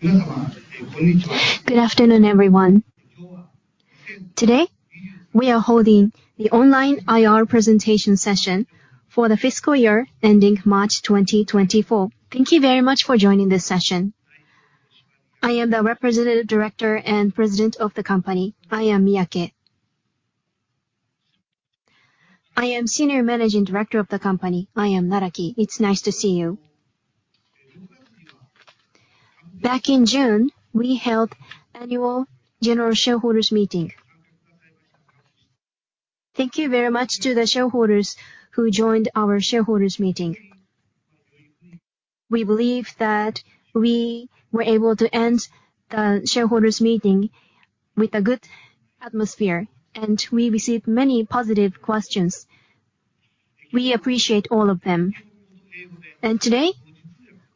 Good afternoon, everyone. Today, we are holding the online IR presentation session for the fiscal year ending March 2024. Thank you very much for joining this session. I am the representative director and President of the company, I am Miyake. I am Senior Managing Director of the company, I am Naraki. It's nice to see you. Back in June, we held annual general shareholders meeting. Thank you very much to the shareholders who joined our shareholders meeting. We believe that we were able to end the shareholders meeting with a good atmosphere. We received many positive questions. We appreciate all of them. Today,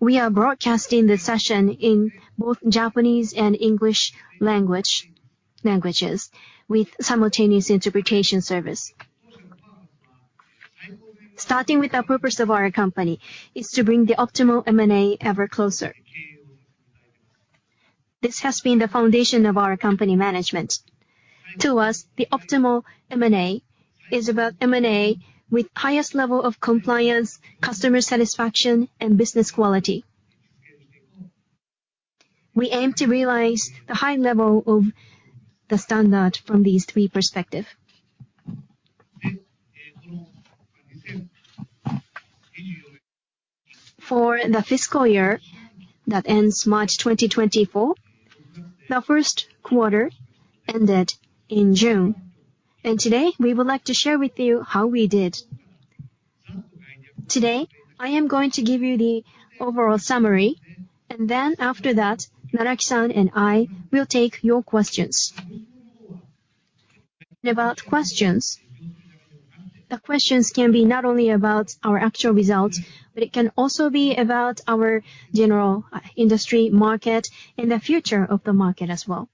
we are broadcasting this session in both Japanese and English languages, with simultaneous interpretation service. Starting with the purpose of our company, is to bring the optimal M&A ever closer. This has been the foundation of our company management. To us, the optimal M&A is about M&A with highest level of compliance, customer satisfaction, and business quality. We aim to realize the high level of the standard from these three perspective. For the fiscal year that ends March 2024, the Q1 ended in June, and today, we would like to share with you how we did. Today, I am going to give you the overall summary, and then after that, Naraki-san and I will take your questions. About questions, the questions can be not only about our actual results, but it can also be about our general industry market and the future of the market as well.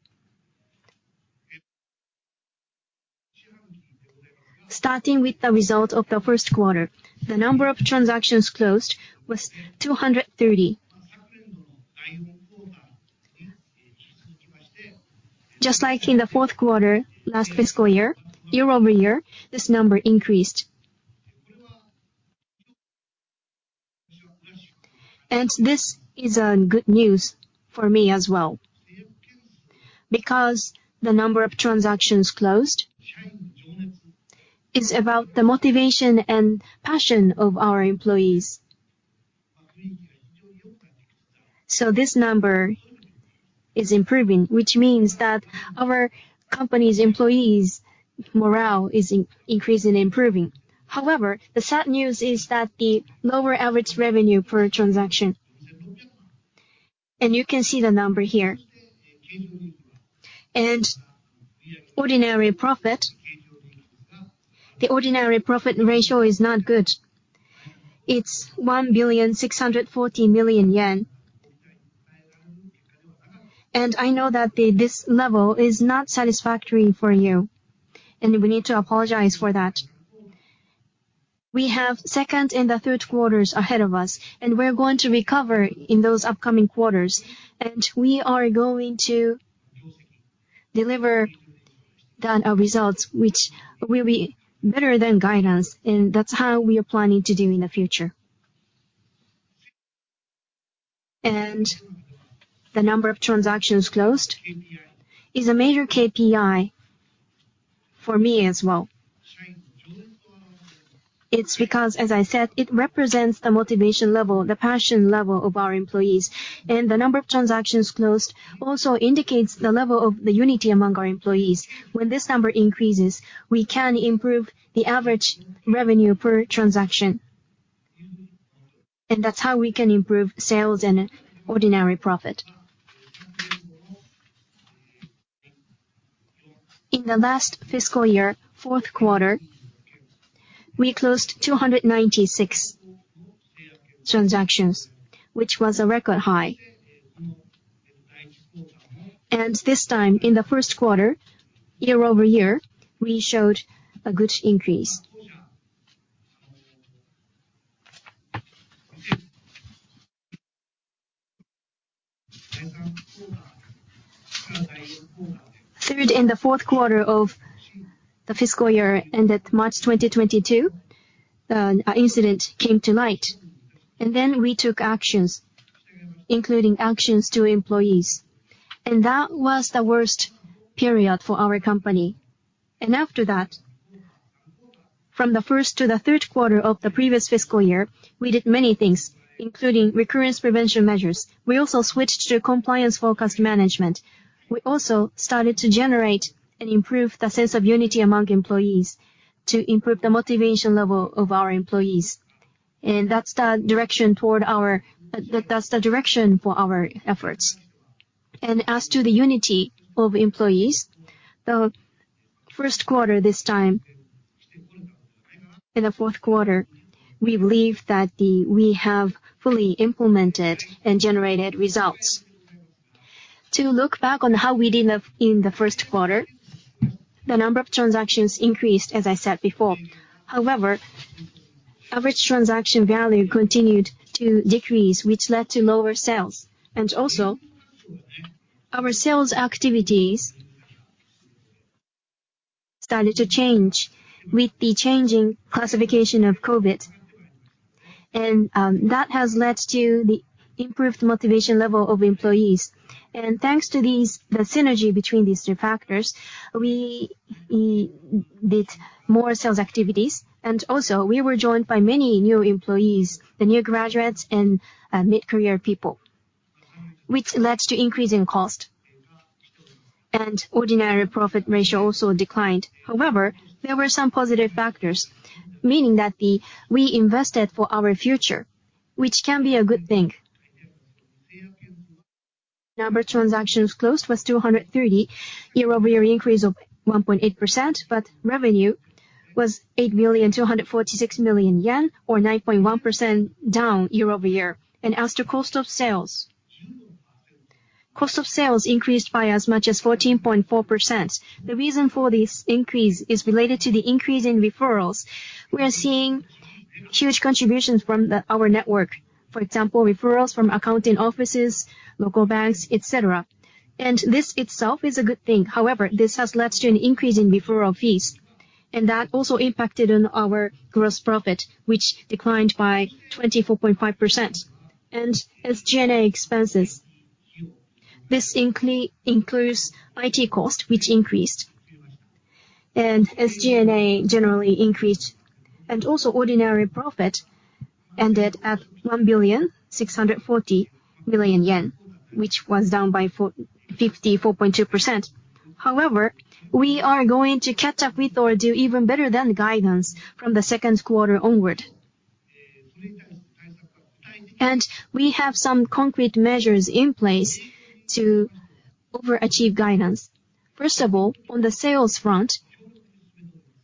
Starting with the result of the Q1, the number of transactions closed was 230. Just like in the fourth quarter, last fiscal year, year-over-year, this number increased. This is good news for me as well, because the number of transactions closed is about the motivation and passion of our employees. This number is improving, which means that our company's employees' morale is increasing and improving. The sad news is that the lower average revenue per transaction, and you can see the number here. Ordinary profit, the ordinary profit ratio is not good. It's 1.64 billion. I know that the, this level is not satisfactory for you, and we need to apologize for that. We have second and the Q3 ahead of us, and we're going to recover in those upcoming quarters, and we are going to deliver the results, which will be better than guidance, and that's how we are planning to do in the future. The number of transactions closed is a major KPI for me as well. It's because, as I said, it represents the motivation level, the passion level of our employees, and the number of transactions closed also indicates the level of the unity among our employees. When this number increases, we can improve the average revenue per transaction, and that's how we can improve sales and ordinary profit. In the last fiscal year, fourth quarter, we closed 296 transactions, which was a record high. This time, in the Q1, year-over-year, we showed a good increase. Third and the fourth quarter of the fiscal year, ended March 2022, an incident came to light, and then we took actions, including actions to employees, and that was the worst period for our company. After that, from the first to the Q3 of the previous fiscal year, we did many things, including recurrence prevention measures. We also switched to compliance-focused management. We also started to generate and improve the sense of unity among employees to improve the motivation level of our employees, that's the direction toward our that's the direction for our efforts. As to the unity of employees, the Q1 this time, in the fourth quarter, we believe that. We have fully implemented and generated results. To look back on how we did in the Q1. the number of transactions increased, as I said before. However, average transaction value continued to decrease, which led to lower sales. Also our sales activities started to change with the changing classification of COVID, and that has led to the improved motivation level of employees. Thanks to these, the synergy between these 2 factors, we did more sales activities, and also we were joined by many new employees, the new graduates and mid-career people, which led to increase in cost, and ordinary profit ratio also declined. However, there were some positive factors, meaning that we invested for our future, which can be a good thing. Number of transactions closed was 230, year-over-year increase of 1.8%, but revenue was 8 billion to 146 million yen, or 9.1% down year-over-year. As to cost of sales, cost of sales increased by as much as 14.4%. The reason for this increase is related to the increase in referrals. We are seeing huge contributions from our network, for example, referrals from accounting offices, local banks, etc. This itself is a good thing. However, this has led to an increase in referral fees. That also impacted on our gross profit, which declined by 24.5%. As G&A expenses, this includes IT cost, which increased. As G&A generally increased, also ordinary profit ended at 1.64 billion yen, which was down by 54.2%. However, we are going to catch up with or do even better than the guidance from the Q2 onward. We have some concrete measures in place to overachieve guidance. First of all, on the sales front,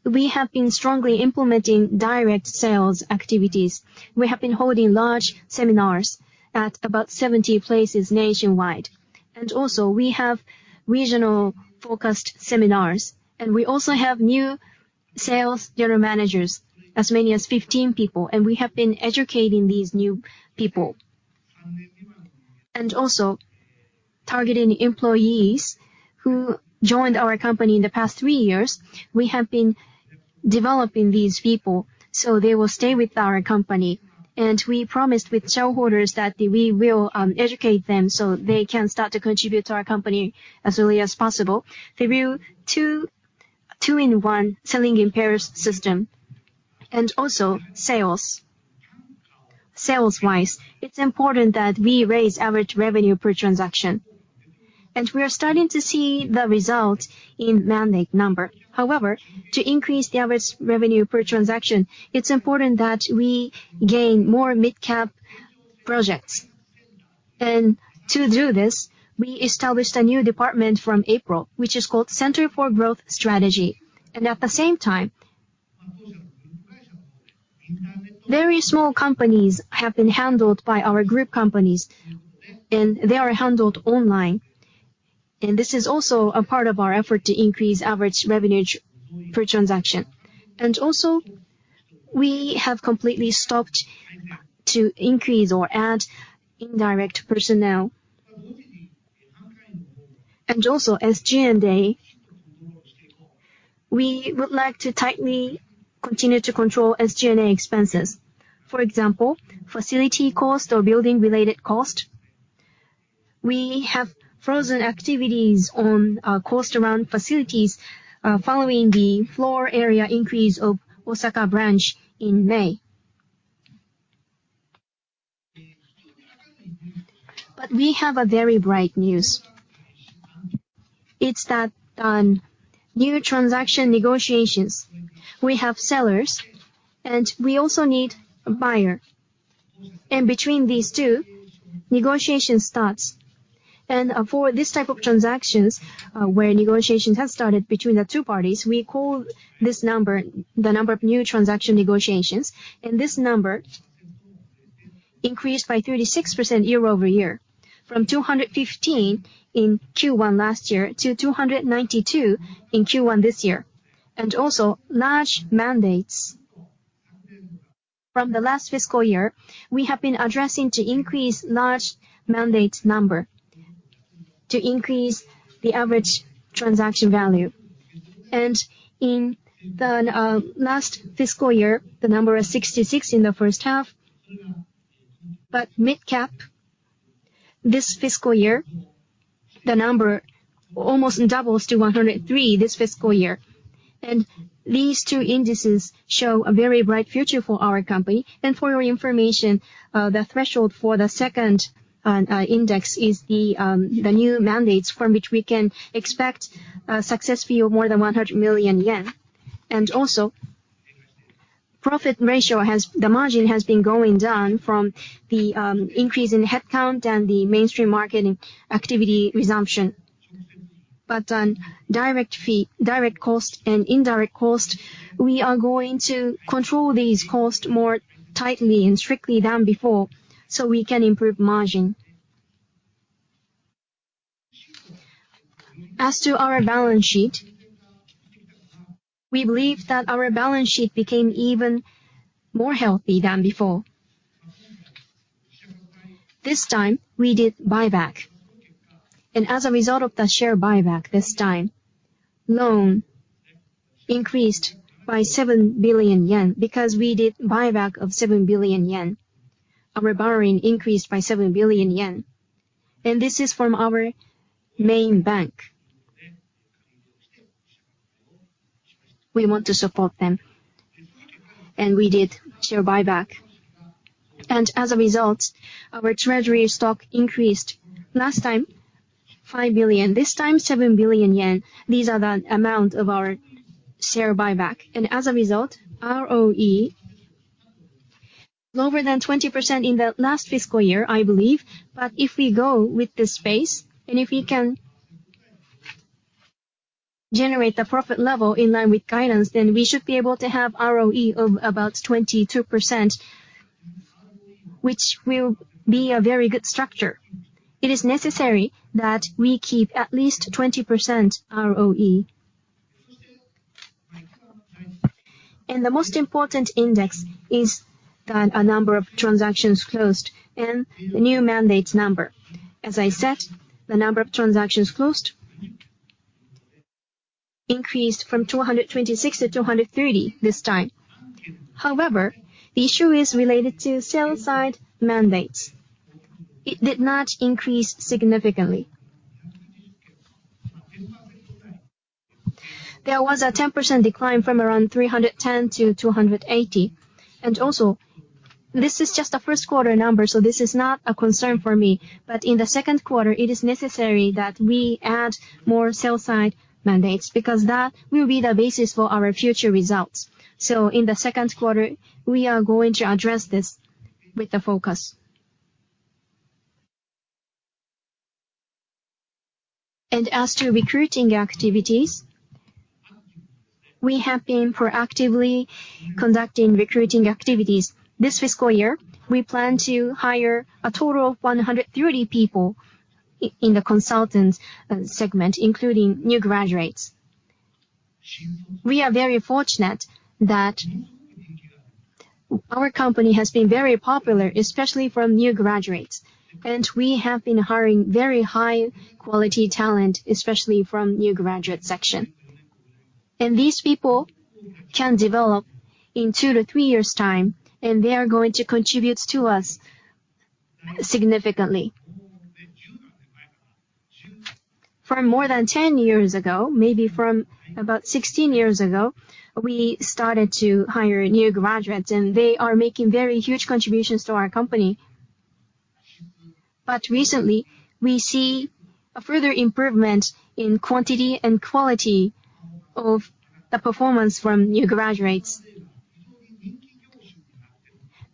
we have been strongly implementing direct sales activities. We have been holding large seminars at about 70 places nationwide, and also we have regional-focused seminars. We also have new sales general managers, as many as 15 people, and we have been educating these new people. Also targeting employees who joined our company in the past 3 years, we have been developing these people, so they will stay with our company. We promised with shareholders that we will educate them, so they can start to contribute to our company as early as possible through 2, 2-in-1 selling in pairs system. Also sales. Sales-wise, it's important that we raise average revenue per transaction, and we are starting to see the result in mandate number. However, to increase the average revenue per transaction, it's important that we gain more mid-cap projects. To do this, we established a new department from April, which is called Center for Growth Strategy. At the same time, very small companies have been handled by our group companies, and they are handled online, and this is also a part of our effort to increase average revenue per transaction. Also, we have completely stopped to increase or add indirect personnel. Also as G&A, we would like to tightly continue to control SG&A expenses. For example, facility cost or building-related cost. We have frozen activities on cost around facilities following the floor area increase of Osaka branch in May. We have a very bright news. It's that on new transaction negotiations, we have sellers, and we also need a buyer. Between these two, negotiation starts. For this type of transactions, where negotiations have started between the two parties, we call this number the number of new transaction negotiations, and this number increased by 36% year-over-year, from 215 in Q1 last year to 292 in Q1 this year. Also large mandates. From the last fiscal year, we have been addressing to increase large mandate number to increase the average transaction value. In the last fiscal year, the number was 66 in the first half, but mid-cap this fiscal year, the number almost doubles to 103 this fiscal year. These two indices show a very bright future for our company. For your information, the threshold for the second index is the new mandates from which we can expect success fee of more than 100 million yen. Also, profit ratio has, the margin has been going down from the increase in headcount and the mainstream marketing activity resumption. On direct fee, direct cost and indirect cost, we are going to control these costs more tightly and strictly than before, so we can improve margin. As to our balance sheet, we believe that our balance sheet became even more healthy than before. This time, we did buyback, and as a result of the share buyback this time, loan increased by 7 billion yen. Because we did buyback of 7 billion yen, our borrowing increased by 7 billion yen, and this is from our main bank. We want to support them, we did share buyback. As a result, our treasury stock increased. Last time, 5 billion, this time, 7 billion yen. These are the amount of our share buyback, and as a result, ROE lower than 20% in the last fiscal year, I believe. If we go with this pace, and if we can generate the profit level in line with guidance, then we should be able to have ROE of about 22%, which will be a very good structure. It is necessary that we keep at least 20% ROE. The most important index is that a number of transactions closed and the new mandates number. As I said, the number of transactions closed increased from 226 to 230 this time. However, the issue is related to sale side mandates. It did not increase significantly. There was a 10% decline from around 310 to 280. Also, this is just a Q1 number, so this is not a concern for me. In the Q2, it is necessary that we add more sale side mandates, because that will be the basis for our future results. In the Q2, we are going to address this with the focus. As to recruiting activities, we have been proactively conducting recruiting activities. This fiscal year, we plan to hire a total of 130 people in the consultant segment, including new graduates. We are very fortunate that our company has been very popular, especially from new graduates, and we have been hiring very high-quality talent, especially from new graduate section. These people can develop in 2 to 3 years' time, and they are going to contribute to us significantly. For more than 10 years ago, maybe from about 16 years ago, we started to hire new graduates, and they are making very huge contributions to our company. Recently, we see a further improvement in quantity and quality of the performance from new graduates.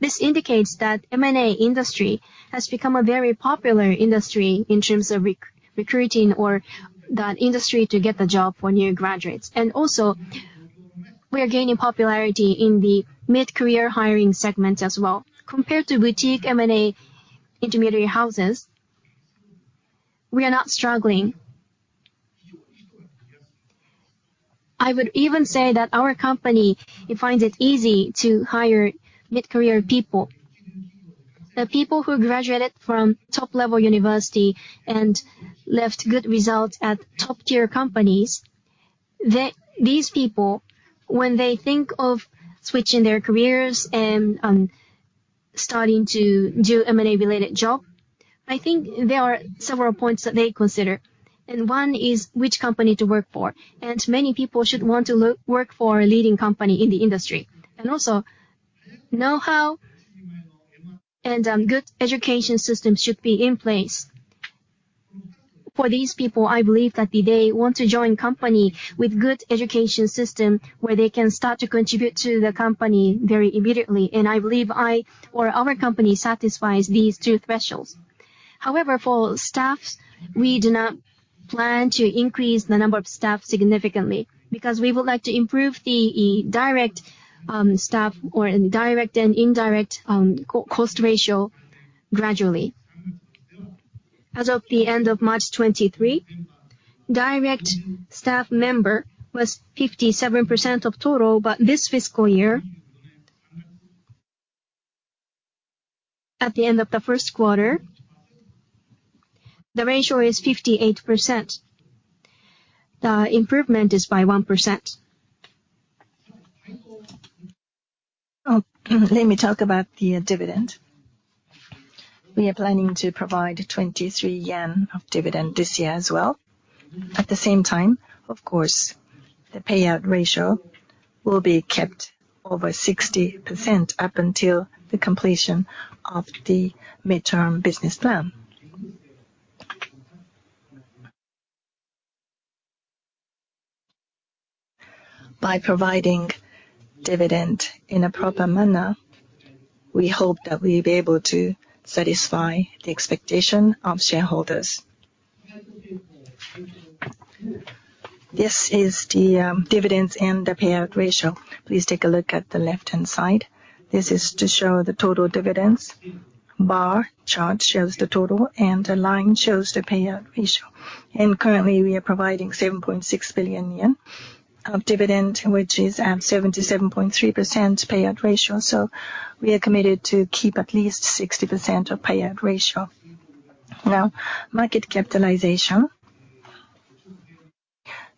This indicates that M&A industry has become a very popular industry in terms of recruiting or the industry to get the job for new graduates. Also, we are gaining popularity in the mid-career hiring segment as well. Compared to boutique M&A intermediary houses, we are not struggling. I would even say that our company, it finds it easy to hire mid-career people. The people who graduated from top-level university and left good results at top-tier companies, these people, when they think of switching their careers and starting to do M&A-related job, I think there are several points that they consider, and one is which company to work for, and many people should want to lo-work for a leading company in the industry. Also, know-how and good education system should be in place. For these people, I believe that they want to join company with good education system, where they can start to contribute to the company very immediately. I believe I, or our company, satisfies these two thresholds. However, for staffs, we do not plan to increase the number of staff significantly because we would like to improve the direct staff or direct and indirect co-cost ratio gradually. As of the end of March 2023, direct staff member was 57% of total. This fiscal year, at the end of the Q1, the ratio is 58%. The improvement is by 1%. Let me talk about the dividend. We are planning to provide 23 yen of dividend this year as well. At the same time, of course, the payout ratio will be kept over 60% up until the completion of the midterm business plan. By providing dividend in a proper manner, we hope that we'll be able to satisfy the expectation of shareholders. This is the dividends and the payout ratio. Please take a look at the left-hand side. This is to show the total dividends. Bar chart shows the total, the line shows the payout ratio. Currently, we are providing 7.6 billion yen of dividend, which is at 77.3% payout ratio. We are committed to keep at least 60% of payout ratio. Now, market capitalization.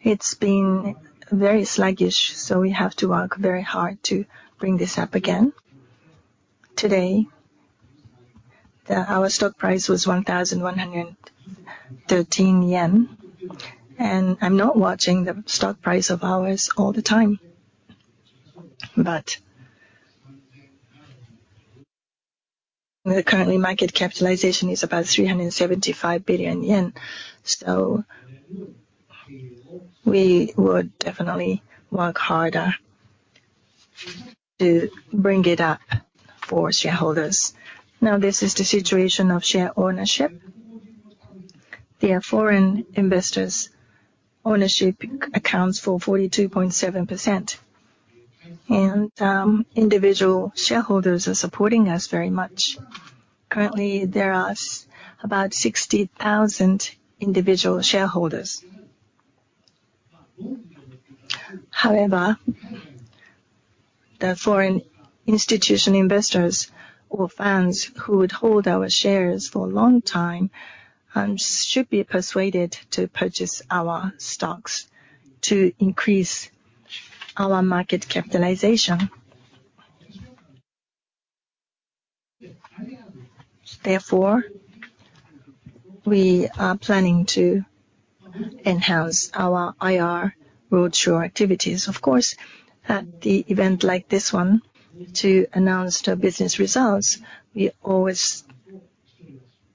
It's been very sluggish. We have to work very hard to bring this up again. Today, our stock price was 1,113 yen, and I'm not watching the stock price of ours all the time, but currently, the market capitalization is about 375 billion yen. We would definitely work harder to bring it up for shareholders. Now, this is the situation of share ownership. The foreign investors' ownership accounts for 42.7%, and individual shareholders are supporting us very much. Currently, there are about 60,000 individual shareholders. However, the foreign institution investors or fans who would hold our shares for a long time should be persuaded to purchase our stocks to increase our market capitalization. Therefore, we are planning to enhance our IR roadshow activities. Of course, at the event like this one, to announce the business results, we always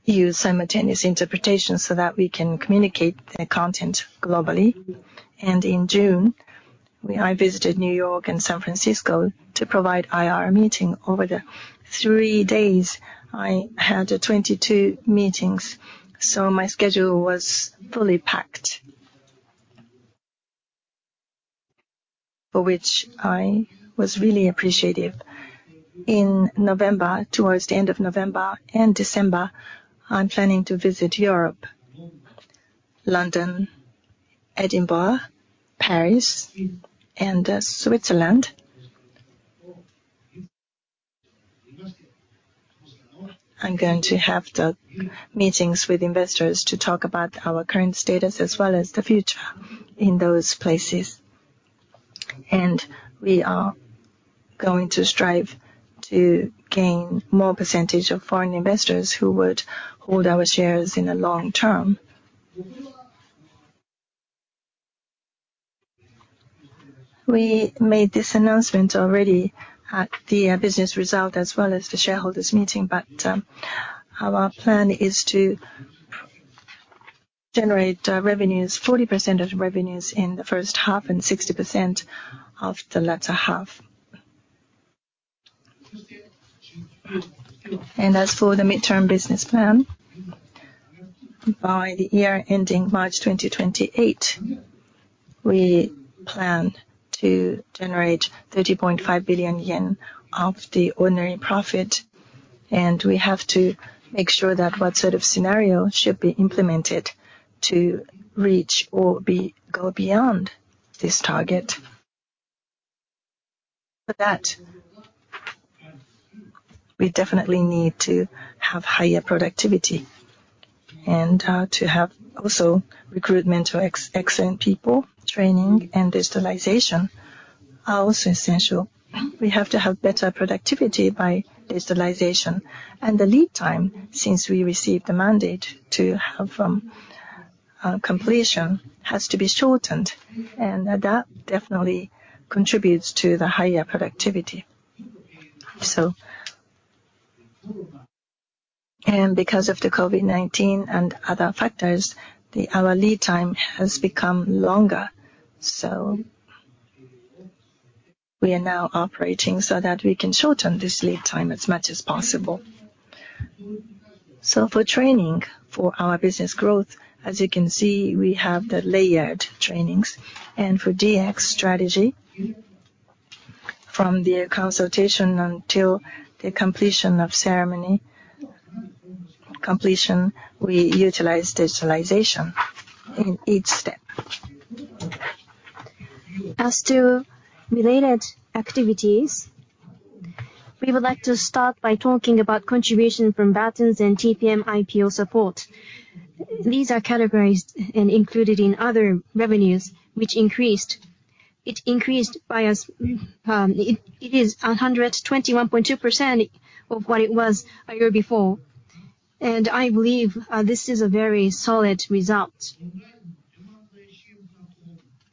use simultaneous interpretation so that we can communicate the content globally. In June, I visited New York and San Francisco to provide IR meeting. Over the three days, I had 22 meetings, so my schedule was fully packed, for which I was really appreciative. In November, towards the end of November and December, I'm planning to visit Europe, London, Edinburgh, Paris, and Switzerland. I'm going to have the meetings with investors to talk about our current status as well as the future in those places, and we are going to strive to gain more percentage of foreign investors who would hold our shares in the long term. We made this announcement already at the business result as well as the shareholders meeting, but our plan is to generate revenues, 40% of revenues in the first half and 60% of the latter half. As for the midterm business plan, by the year ending March 2028, we plan to generate 30.5 billion yen of the ordinary profit, and we have to make sure that what sort of scenario should be implemented to reach or go beyond this target. For that, we definitely need to have higher productivity and to have also recruitment to excellent people. Training and digitalization are also essential. We have to have better productivity by digitalization, and the lead time, since we received the mandate to have completion, has to be shortened, and that definitely contributes to the higher productivity. Because of the COVID-19 and other factors, our lead time has become longer. We are now operating so that we can shorten this lead time as much as possible. For training for our business growth, as you can see, we have the layered trainings. For DX strategy, from the consultation until the completion of ceremony, completion, we utilize digitalization in each step. As to related activities, we would like to start by talking about contribution from Batonz and TPM IPO support. These are categorized and included in other revenues which increased. It increased by 121.2% of what it was a year before. I believe this is a very solid result.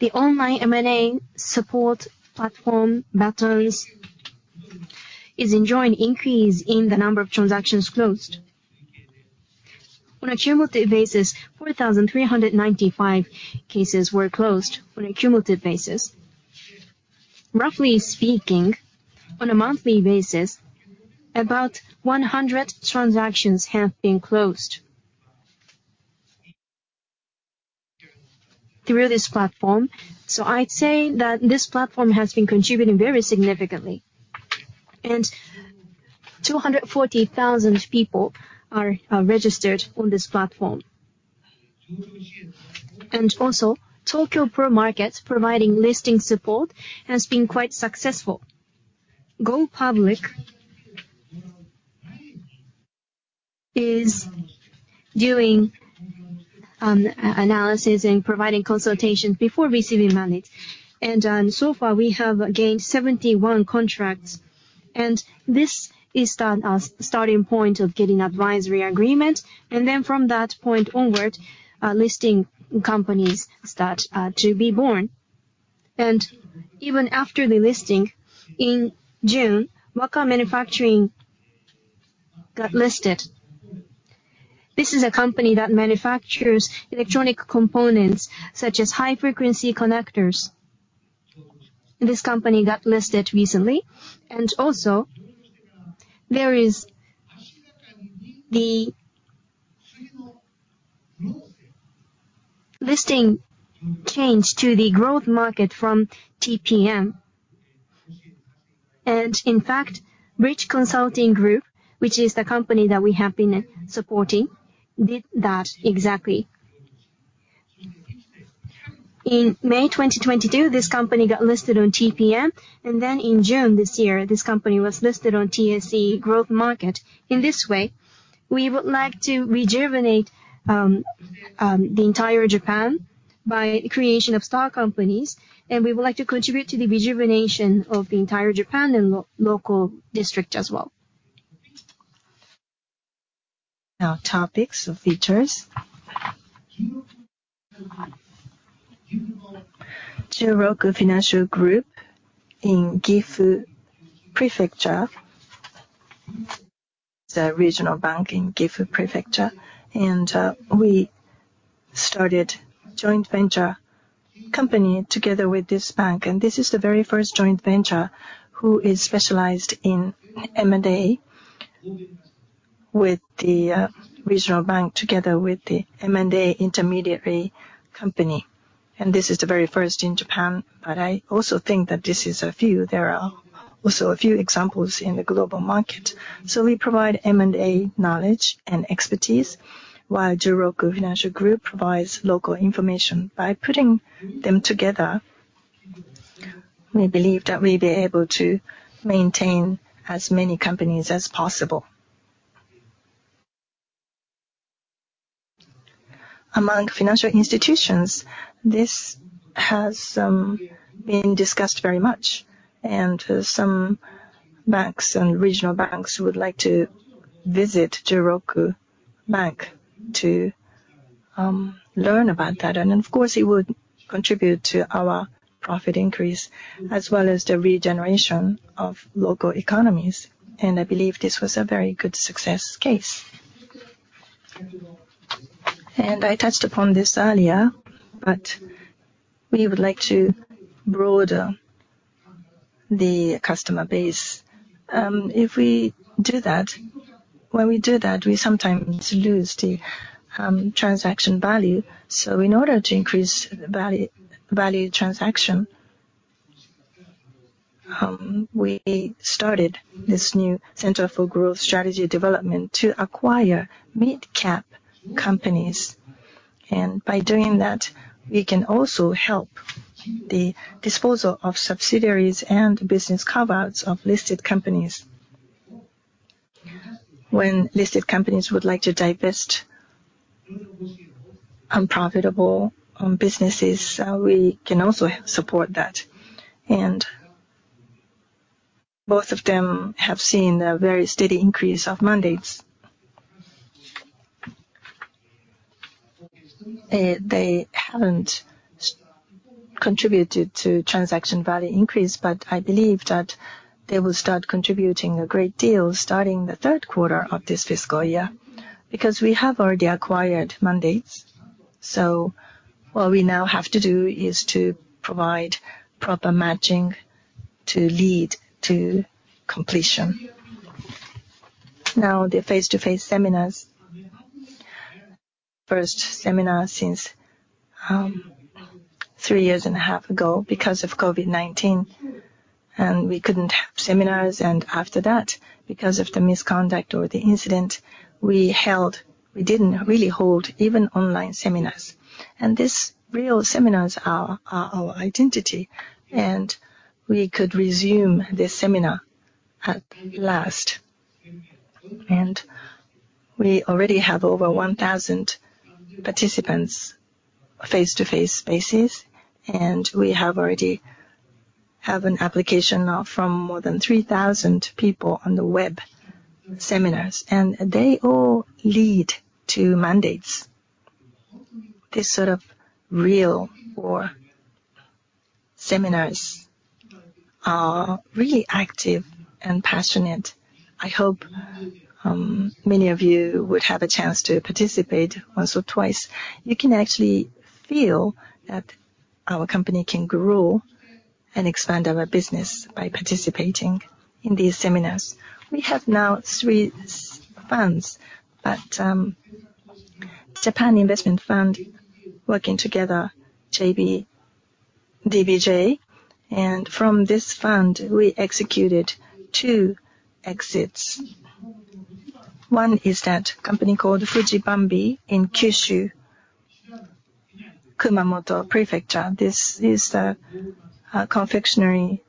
The online M&A support platform, Batonz, is enjoying increase in the number of transactions closed. On a cumulative basis, 4,395 cases were closed on a cumulative basis. Roughly speaking, on a monthly basis, about 100 transactions have been closed through this platform. I'd say that this platform has been contributing very significantly, and 240,000 people are registered on this platform. Also, Tokyo Pro Market, providing listing support, has been quite successful. Go public is doing analysis and providing consultation before receiving money. So far, we have gained 71 contracts, and this is the starting point of getting advisory agreement. Then from that point onward, listing companies start to be born. Even after the listing in June, Wako Manufacturing got listed. This is a company that manufactures electronic components, such as high frequency connectors. This company got listed recently, and also there is the listing change to the growth market from TPM. In fact, Bridge Consulting Group, which is the company that we have been supporting, did that exactly. In May 2022, this company got listed on TPM, and then in June this year, this company was listed on TSE Growth market. In this way, we would like to rejuvenate the entire Japan by creation of star companies, and we would like to contribute to the rejuvenation of the entire Japan and local district as well. Now, topics or features. Juroku Financial Group in Gifu Prefecture, the regional bank in Gifu Prefecture, and we started joint venture company together with this bank, and this is the very first joint venture who is specialized in M&A with the regional bank, together with the M&A intermediary company. This is the very first in Japan, but I also think that this is a few. There are also a few examples in the global market. We provide M&A knowledge and expertise, while Juroku Financial Group provides local information. By putting them together, we believe that we'll be able to maintain as many companies as possible. Among financial institutions, this has been discussed very much, and some banks and regional banks would like to visit Juroku Bank to learn about that. Of course, it would contribute to our profit increase, as well as the regeneration of local economies. I believe this was a very good success case. I touched upon this earlier, but we would like to broaden the customer base. If we do that, when we do that, we sometimes lose the transaction value. In order to increase value, value transaction, we started this new center for growth strategy development to acquire mid-cap companies. By doing that, we can also help the disposal of subsidiaries and business coverouts of listed companies. When listed companies would like to divest unprofitable businesses, we can also support that. Both of them have seen a very steady increase of mandates. They, they haven't contributed to transaction value increase, but I believe that they will start contributing a great deal starting the Q3 of this fiscal year, because we have already acquired mandates. What we now have to do is to provide proper matching to lead to completion. Now, the face-to-face seminars. First seminar since 3 and a half years ago because of COVID-19, and we couldn't have seminars. After that, because of the misconduct or the incident we held, we didn't really hold even online seminars. These real seminars are, are our identity, and we could resume this seminar at last. We already have over 1,000 participants face-to-face basis, and we have already have an application now from more than 3,000 people on the web seminars, and they all lead to mandates. This sort of real or seminars are really active and passionate. I hope many of you would have a chance to participate once or twice. You can actually feel that our company can grow and expand our business by participating in these seminars. We have now 3 s- funds, but Japan Investment Fund working together, JB, DBJ. From this fund, we executed 2 exits. One is that company called Fuji Bambi in Kyushu, Kumamoto Prefecture. This is a, a confectionery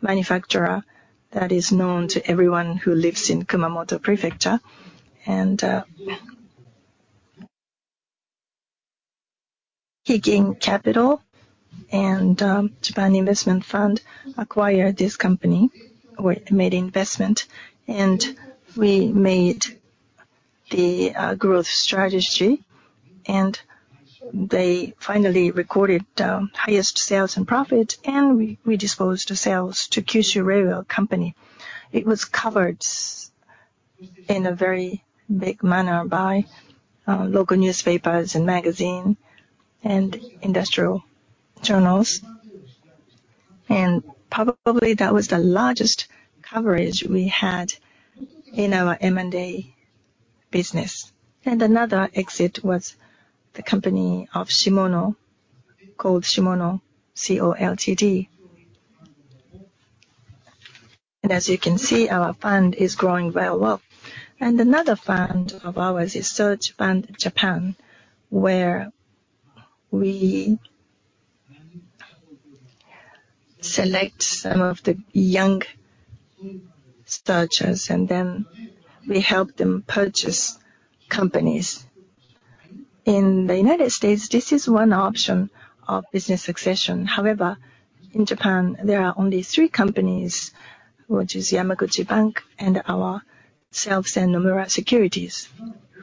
manufacturer that is known to everyone who lives in Kumamoto Prefecture. He gained capital, Japan Investment Fund acquired this company, or made investment, and we made the growth strategy. They finally recorded highest sales and profit, and we disposed the sales to Kyushu Railway Company. It was covered in a very big manner by local newspapers and magazine, and industrial journals. Probably that was the largest coverage we had in our M&A business. Another exit was the company of Shimono, called Shimono Co., LTD. As you can see, our fund is growing very well. Another fund of ours is Search Fund Japan, where we select some of the young searchers, and then we help them purchase companies. In the United States, this is one option of business succession. However, in Japan, there are only 3 companies, which is Yamaguchi Bank and ourselves, and Nomura Securities,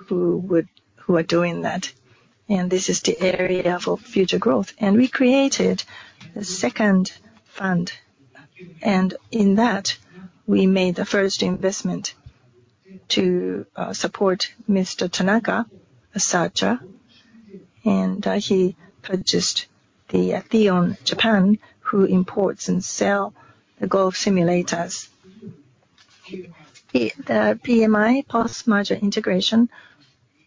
who are doing that. This is the area for future growth. We created a second fund, and in that, we made the first investment to support Mr. Tanaka, a searcher, and he purchased the Athlon Japan, who imports and sell the golf simulators. The PMI, Post Merger Integration,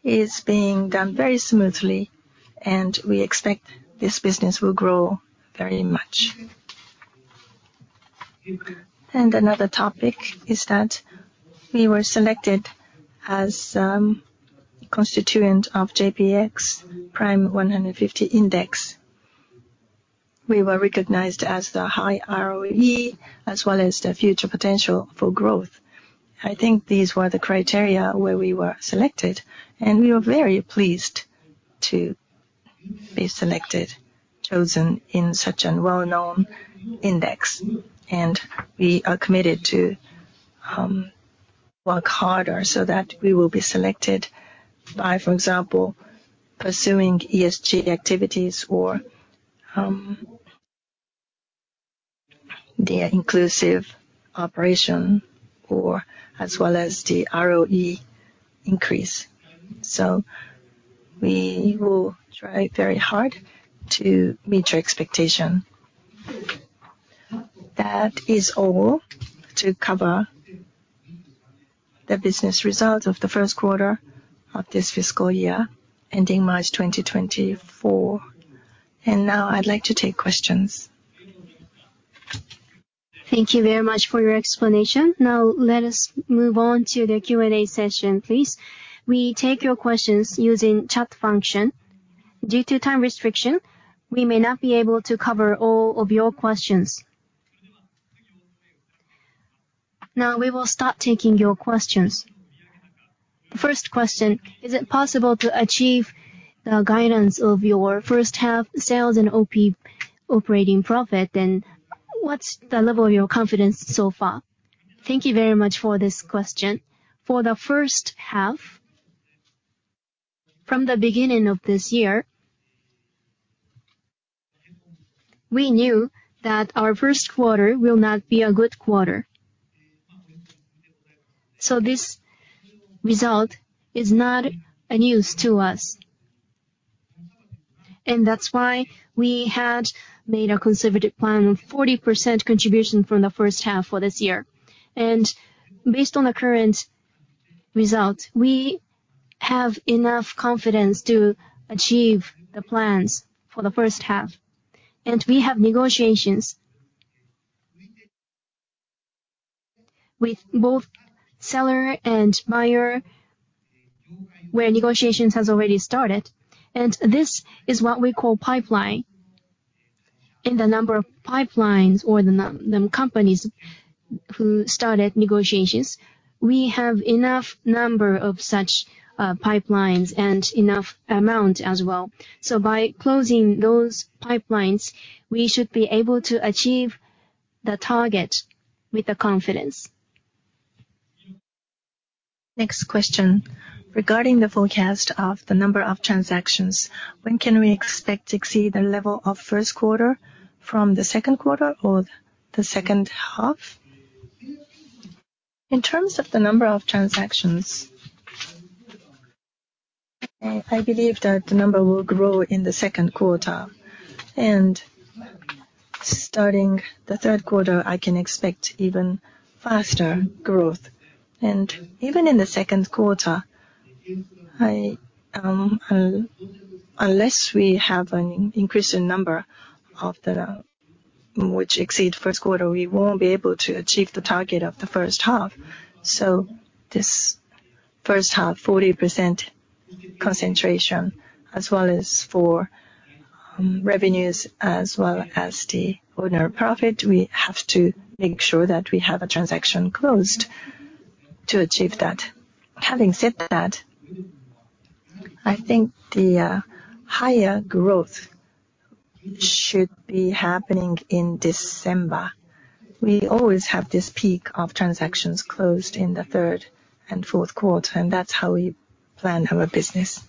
is being done very smoothly. We expect this business will grow very much. Another topic is that we were selected as constituent of JPX Prime 150 index. We were recognized as the high ROE, as well as the future potential for growth. I think these were the criteria where we were selected. We were very pleased to be selected, chosen in such a well-known index. We are committed to work harder so that we will be selected by, for example, pursuing ESG activities or the inclusive operation, or as well as the ROE increase. We will try very hard to meet your expectation. That is all to cover the business results of the Q1 of this fiscal year, ending March 2024. Now I'd like to take questions. Thank you very much for your explanation. Let us move on to the Q&A session, please. We take your questions using chat function. Due to time restriction, we may not be able to cover all of your questions. We will start taking your questions. First question: Is it possible to achieve the guidance of your first half sales and OP operating profit? What's the level of your confidence so far? Thank you very much for this question. For the first half, from the beginning of this year, we knew that our Q1 will not be a good quarter. This result is not a news to us, and that's why we had made a conservative plan of 40% contribution from the first half for this year. Based on the current result, we have enough confidence to achieve the plans for the first half. We have negotiations with both seller and buyer, where negotiations has already started, and this is what we call pipeline. In the number of pipelines or the companies who started negotiations, we have enough number of such pipelines and enough amount as well. By closing those pipelines, we should be able to achieve the target with the confidence. Next question. Regarding the forecast of the number of transactions, when can we expect to exceed the level of Q1 from the Q2 or the second half? In terms of the number of transactions, I, I believe that the number will grow in the Q2, starting the Q3, I can expect even faster growth. Even in the Q2, I, unless we have an increase in number of the, which exceed Q1, we won't be able to achieve the target of the first half. This first half, 40% concentration, as well as for revenues, as well as the ordinary profit, we have to make sure that we have a transaction closed to achieve that. Having said that, I think the higher growth should be happening in December. We always have this peak of transactions closed in the third and fourth quarter, and that's how we plan our business.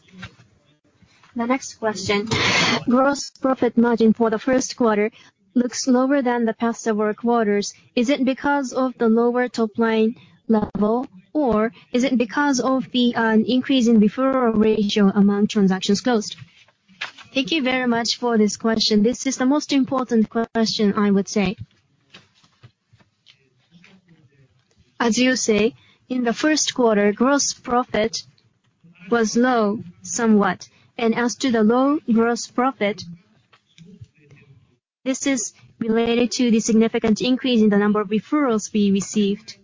The next question, gross profit margin for the Q1 looks lower than the past several quarters. Is it because of the lower top-line level, or is it because of the increase in referral ratio among transactions closed? Thank you very much for this question. This is the most important question, I would say. As you say, in the Q1, gross profit was low, somewhat, and as to the low gross profit, this is related to the significant increase in the number of referrals we received.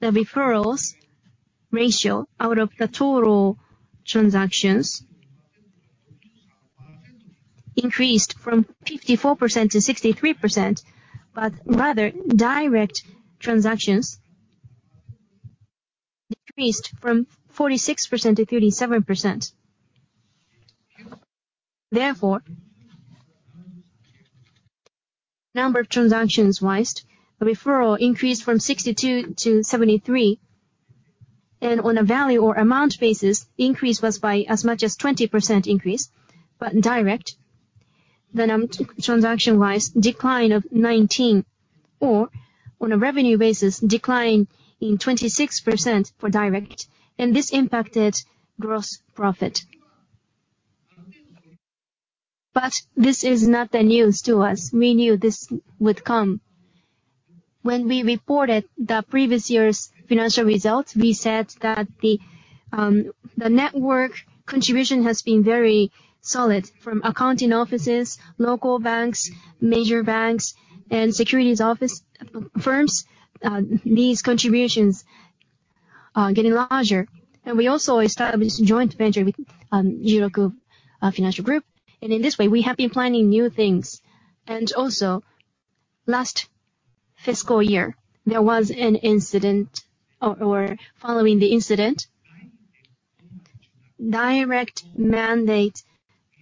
The referrals ratio out of the total transactions increased from 54% to 63%, but rather, direct transactions decreased from 46% to 37%. Therefore, number of transactions-wise, the referral increased from 62 to 73, and on a value or amount basis, the increase was by as much as 20% increase. In direct, transaction-wise, decline of 19 or on a revenue basis, decline in 26% for direct, and this impacted gross profit. This is not the news to us. We knew this would come. When we reported the previous year's financial results, we said that the network contribution has been very solid from accounting offices, local banks, major banks, and securities office firms. These contributions are getting larger, and we also established a joint venture with Juroku Financial Group, and in this way, we have been planning new things. Last fiscal year, there was an incident, or following the incident, direct mandate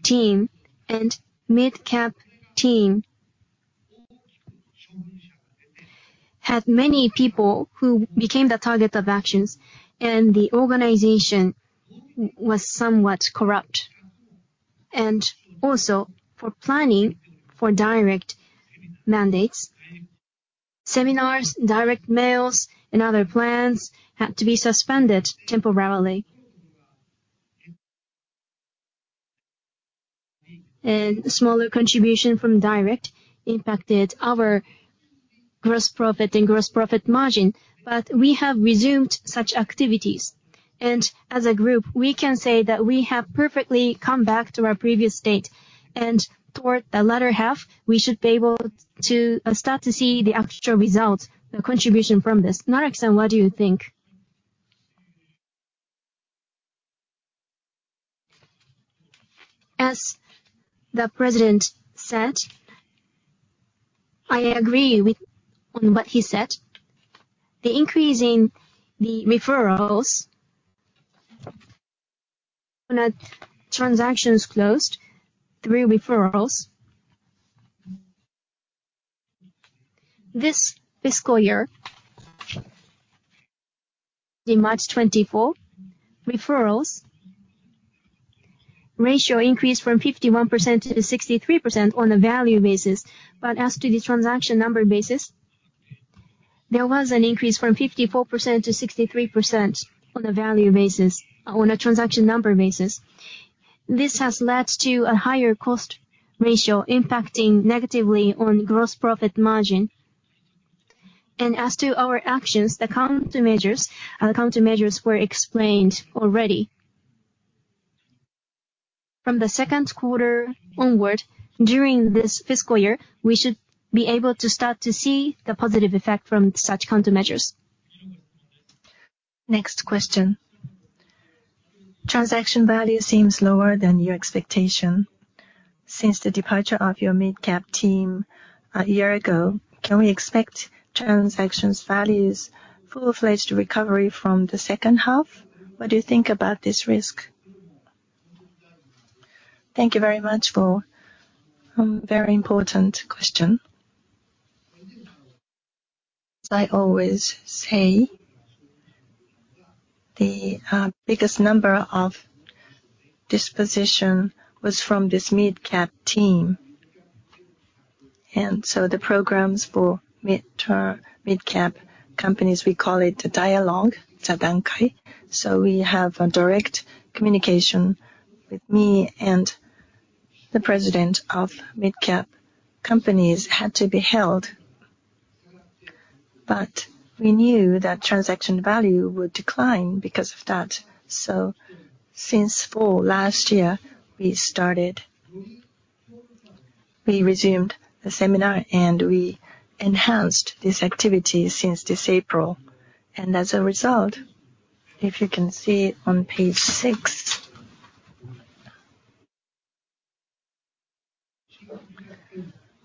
team and midcap team had many people who became the target of actions, and the organization was somewhat corrupt. For planning for direct mandates, seminars, direct mails, and other plans had to be suspended temporarily. Smaller contribution from direct impacted our gross profit and gross profit margin, but we have resumed such activities. As a group, we can say that we have perfectly come back to our previous state, and toward the latter half, we should be able to start to see the actual results, the contribution from this. Naraki-san, what do you think? As the president said, I agree with on what he said. The increase in the referrals on a transactions closed, through referrals. This fiscal year, in March 2024, referrals ratio increased from 51% to 63% on a value basis. As to the transaction number basis, there was an increase from 54% to 63% on a value basis, on a transaction number basis. This has led to a higher cost ratio, impacting negatively on gross profit margin. As to our actions, the countermeasures, the countermeasures were explained already. From the Q2 onward, during this fiscal year, we should be able to start to see the positive effect from such countermeasures. Next question. Transaction value seems lower than your expectation. Since the departure of your mid-cap team a year ago, can we expect transactions values full-fledged recovery from the second half? What do you think about this risk? Thank you very much for very important question. I always say, the biggest number of disposition was from this mid-cap team. The programs for mid-term, mid-cap companies, we call it the dialogue, Zadankai. We have a direct communication with me and the president of mid-cap companies had to be held. We knew that transaction value would decline because of that. Since fall last year, we started, we resumed the seminar, and we enhanced this activity since this April. If you can see it on page six,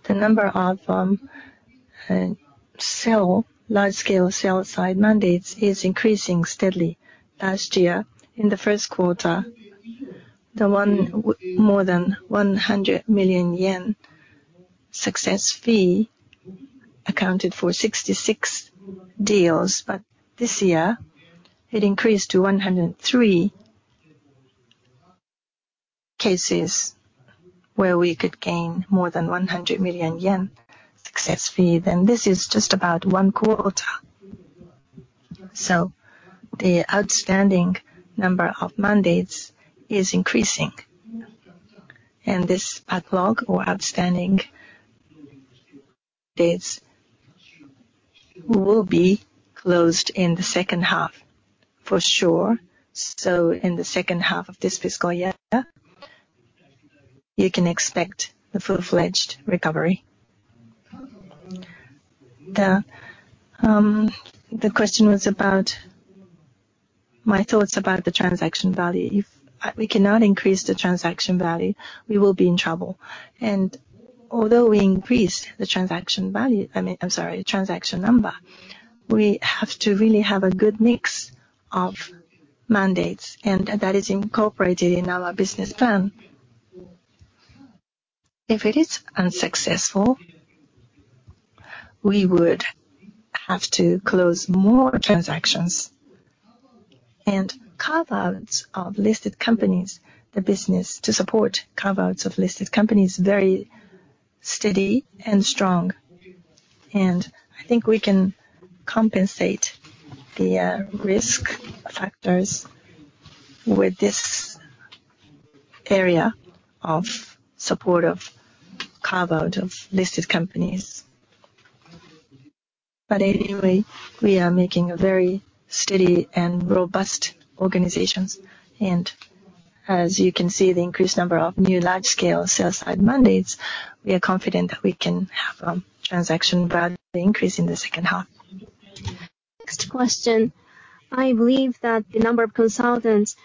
the number of sell, large-scale sell-side mandates is increasing steadily. Last year, in the Q1, the more than 100 million yen success fee accounted for 66 deals. This year it increased to 103 cases where we could gain more than 100 million yen success fee. This is just about one quarter. The outstanding number of mandates is increasing, and this backlog or outstanding dates will be closed in the second half for sure. In the second half of this fiscal year, you can expect the full-fledged recovery. The question was about my thoughts about the transaction value. If we cannot increase the transaction value, we will be in trouble. Although we increased the transaction value, I mean, I'm sorry, transaction number, we have to really have a good mix of mandates, and that is incorporated in our business plan. If it is unsuccessful, we would have to close more transactions and carve outs of listed companies. The business to support carve outs of listed companies is very steady and strong, and I think we can compensate the risk factors with this area of support of carve out of listed companies. Anyway, we are making a very steady and robust organizations, and as you can see, the increased number of new large-scale sell-side mandates, we are confident that we can have transaction value increase in the second half. Next question. I believe that the number of consultants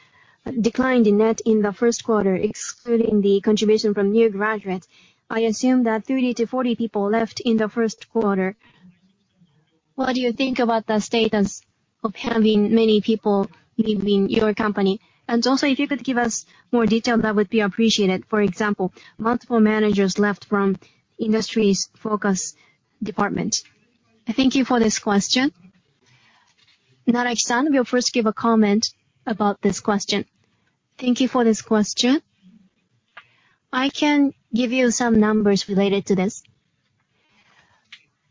declined in net in the Q1, excluding the contribution from new graduates. I assume that 30 to 40 people left in the Q1. What do you think about the status of having many people leaving your company? If you could give us more detail, that would be appreciated. For example, multiple managers left from Industries Focus Department. Thank you for this question. Naraki-san will first give a comment about this question. Thank you for this question. I can give you some numbers related to this.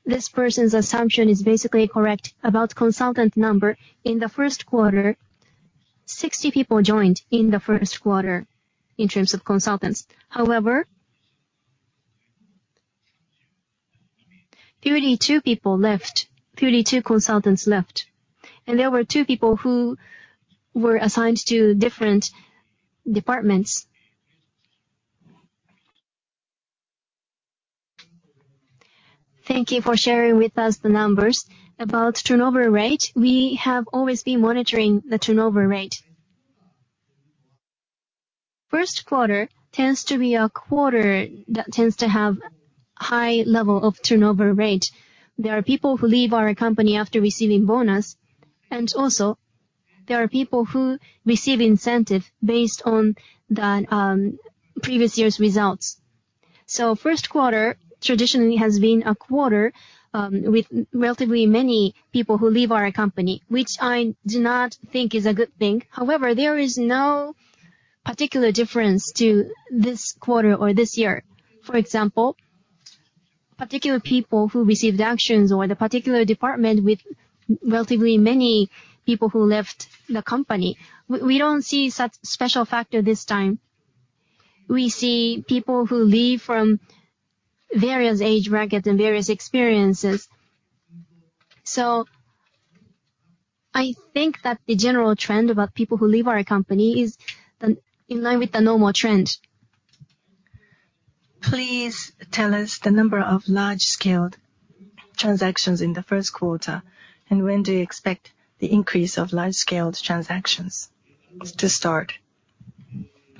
This person's assumption is basically correct. About consultant number, in the Q1, 60 people joined in the Q1 in terms of consultants. However, 32 people left. 32 consultants left, and there were 2 people who were assigned to different departments. Thank you for sharing with us the numbers. About turnover rate, we have always been monitoring the turnover rate. Q1 tends to be a quarter that tends to have high level of turnover rate. There are people who leave our company after receiving bonus, and also there are people who receive incentive based on the previous year's results. Q1 traditionally has been a quarter with relatively many people who leave our company, which I do not think is a good thing. However, there is no particular difference to this quarter or this year. For example, particular people who received actions or the particular department with relatively many people who left the company, we don't see such special factor this time. We see people who leave from various age brackets and various experiences. I think that the general trend about people who leave our company is in line with the normal trend. Please tell us the number of large-scaled transactions in the Q1, and when do you expect the increase of large-scaled transactions to start?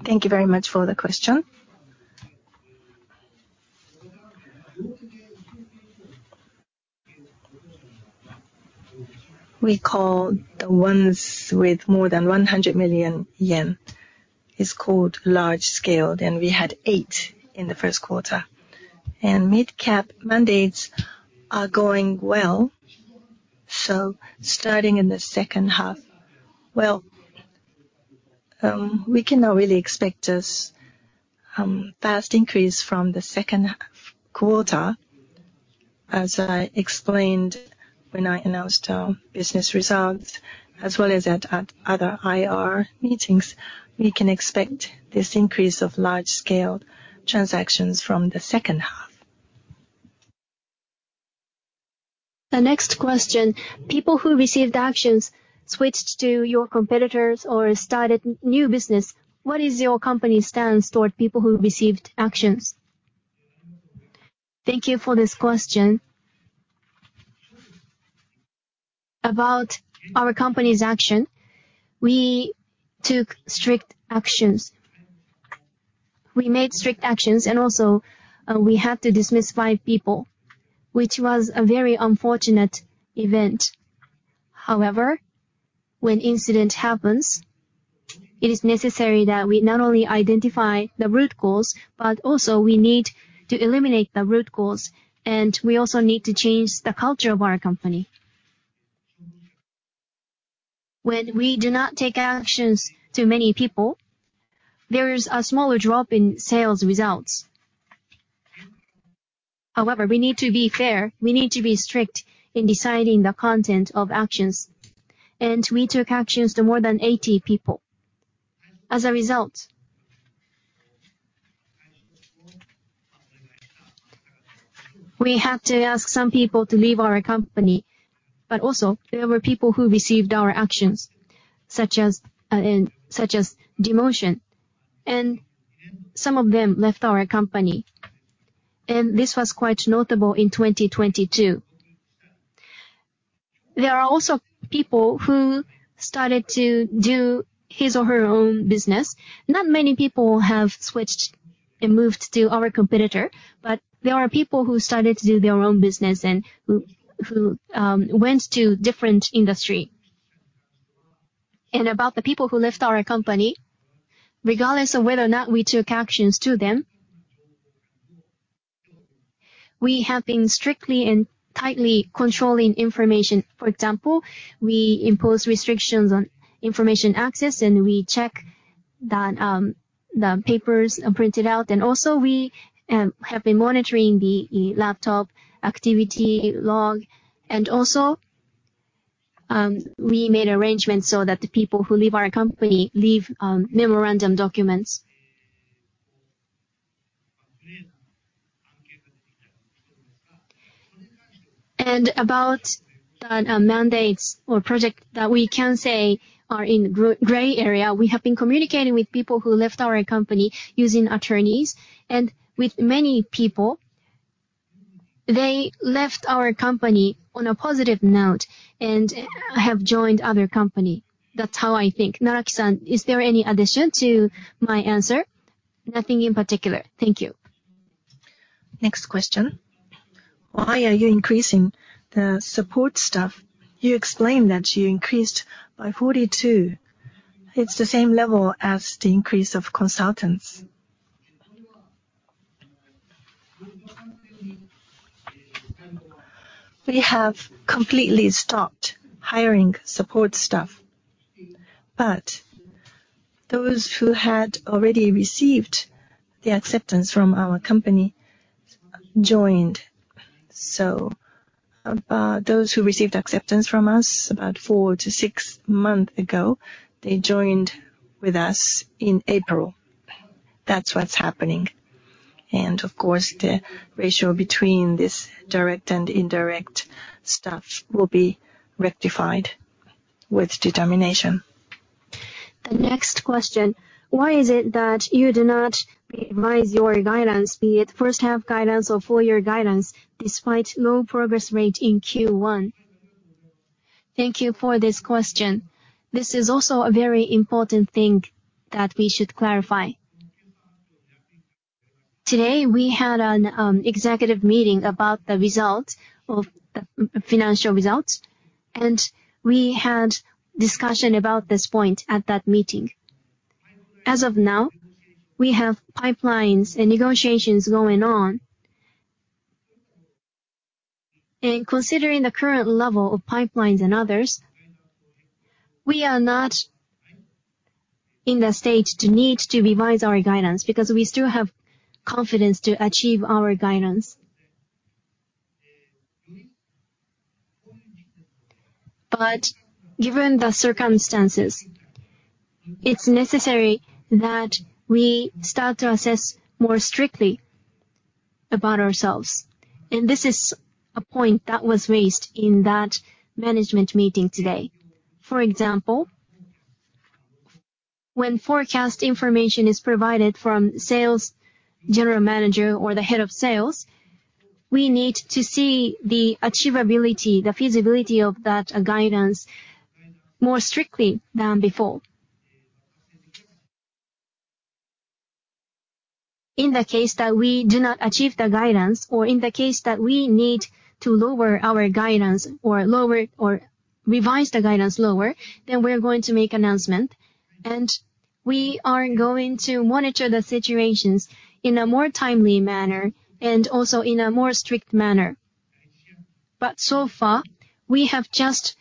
Thank you very much for the question. We call the ones with more than 100 million yen, is called large scale, then we had 8 in the Q1. Mid-cap mandates are going well, so starting in the second half. Well, we cannot really expect this fast increase from the second half quarter. As I explained when I announced our business results, as well as at, at other IR meetings, we can expect this increase of large-scale transactions from the second half. The next question, people who received actions switched to your competitors or started new business. What is your company's stance toward people who received actions? Thank you for this question. About our company's action, we took strict actions. We made strict actions, and also, we had to dismiss five people, which was a very unfortunate event. However, when incident happens, it is necessary that we not only identify the root cause, but also we need to eliminate the root cause, and we also need to change the culture of our company. When we do not take actions to many people, there is a smaller drop in sales results. However, we need to be fair, we need to be strict in deciding the content of actions, and we took actions to more than 80 people. As a result, we had to ask some people to leave our company, but also there were people who received our actions, such as, and such as demotion, and some of them left our company, and this was quite notable in 2022. There are also people who started to do his or her own business. Not many people have switched and moved to our competitor, but there are people who started to do their own business and who, who, went to different industry. About the people who left our company, regardless of whether or not we took actions to them, we have been strictly and tightly controlling information. For example, we impose restrictions on information access, and we check that the papers are printed out, and also we have been monitoring the laptop activity log. Also, we made arrangements so that the people who leave our company leave memorandum documents. About the, the mandates or project that we can say are in gray area, we have been communicating with people who left our company using attorneys. With many people, they left our company on a positive note and have joined other company. That's how I think. Naraki-san, is there any addition to my answer? Nothing in particular. Thank you. Next question. Why are you increasing the support staff? You explained that you increased by 42. It's the same level as the increase of consultants. We have completely stopped hiring support staff, but those who had already received the acceptance from our company joined. Those who received acceptance from us about 4 to 6 months ago, they joined with us in April. That's what's happening. Of course, the ratio between this direct and indirect staff will be rectified with determination. The next question: Why is it that you do not revise your guidance, be it first half guidance or full year guidance, despite low progress rate in Q1? Thank you for this question. This is also a very important thing that we should clarify. Today, we had an executive meeting about the results of the financial results, and we had discussion about this point at that meeting. As of now, we have pipelines and negotiations going on. Considering the current level of pipelines and others, we are not in the stage to need to revise our guidance, because we still have confidence to achieve our guidance. Given the circumstances, it's necessary that we start to assess more strictly about ourselves, and this is a point that was raised in that management meeting today. For example, when forecast information is provided from sales general manager or the head of sales, we need to see the achievability, the feasibility of that guidance more strictly than before. In the case that we do not achieve the guidance, or in the case that we need to lower our guidance, or lower, or revise the guidance lower, then we're going to make announcement. We are going to monitor the situations in a more timely manner, and also in a more strict manner. So far, we have just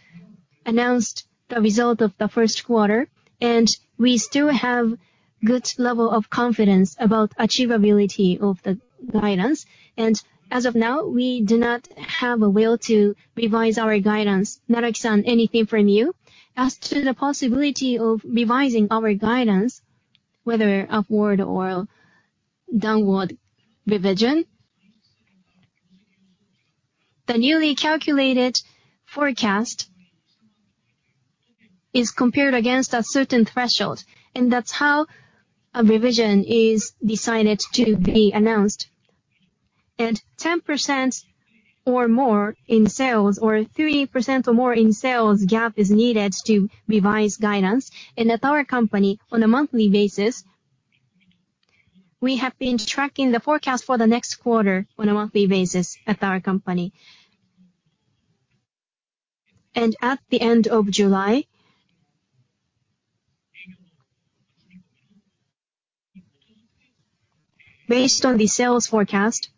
announced the result of the Q1, and we still have good level of confidence about achievability of the guidance. As of now, we do not have a will to revise our guidance. Naraki-san, anything from you? As to the possibility of revising our guidance, whether upward or downward revision, the newly calculated forecast is compared against a certain threshold, and that's how a revision is decided to be announced. 10% or more in sales, or 3% or more in sales gap is needed to revise guidance. At our company, on a monthly basis, we have been tracking the forecast for the next quarter on a monthly basis at our company. At the end of July, based on the sales forecast,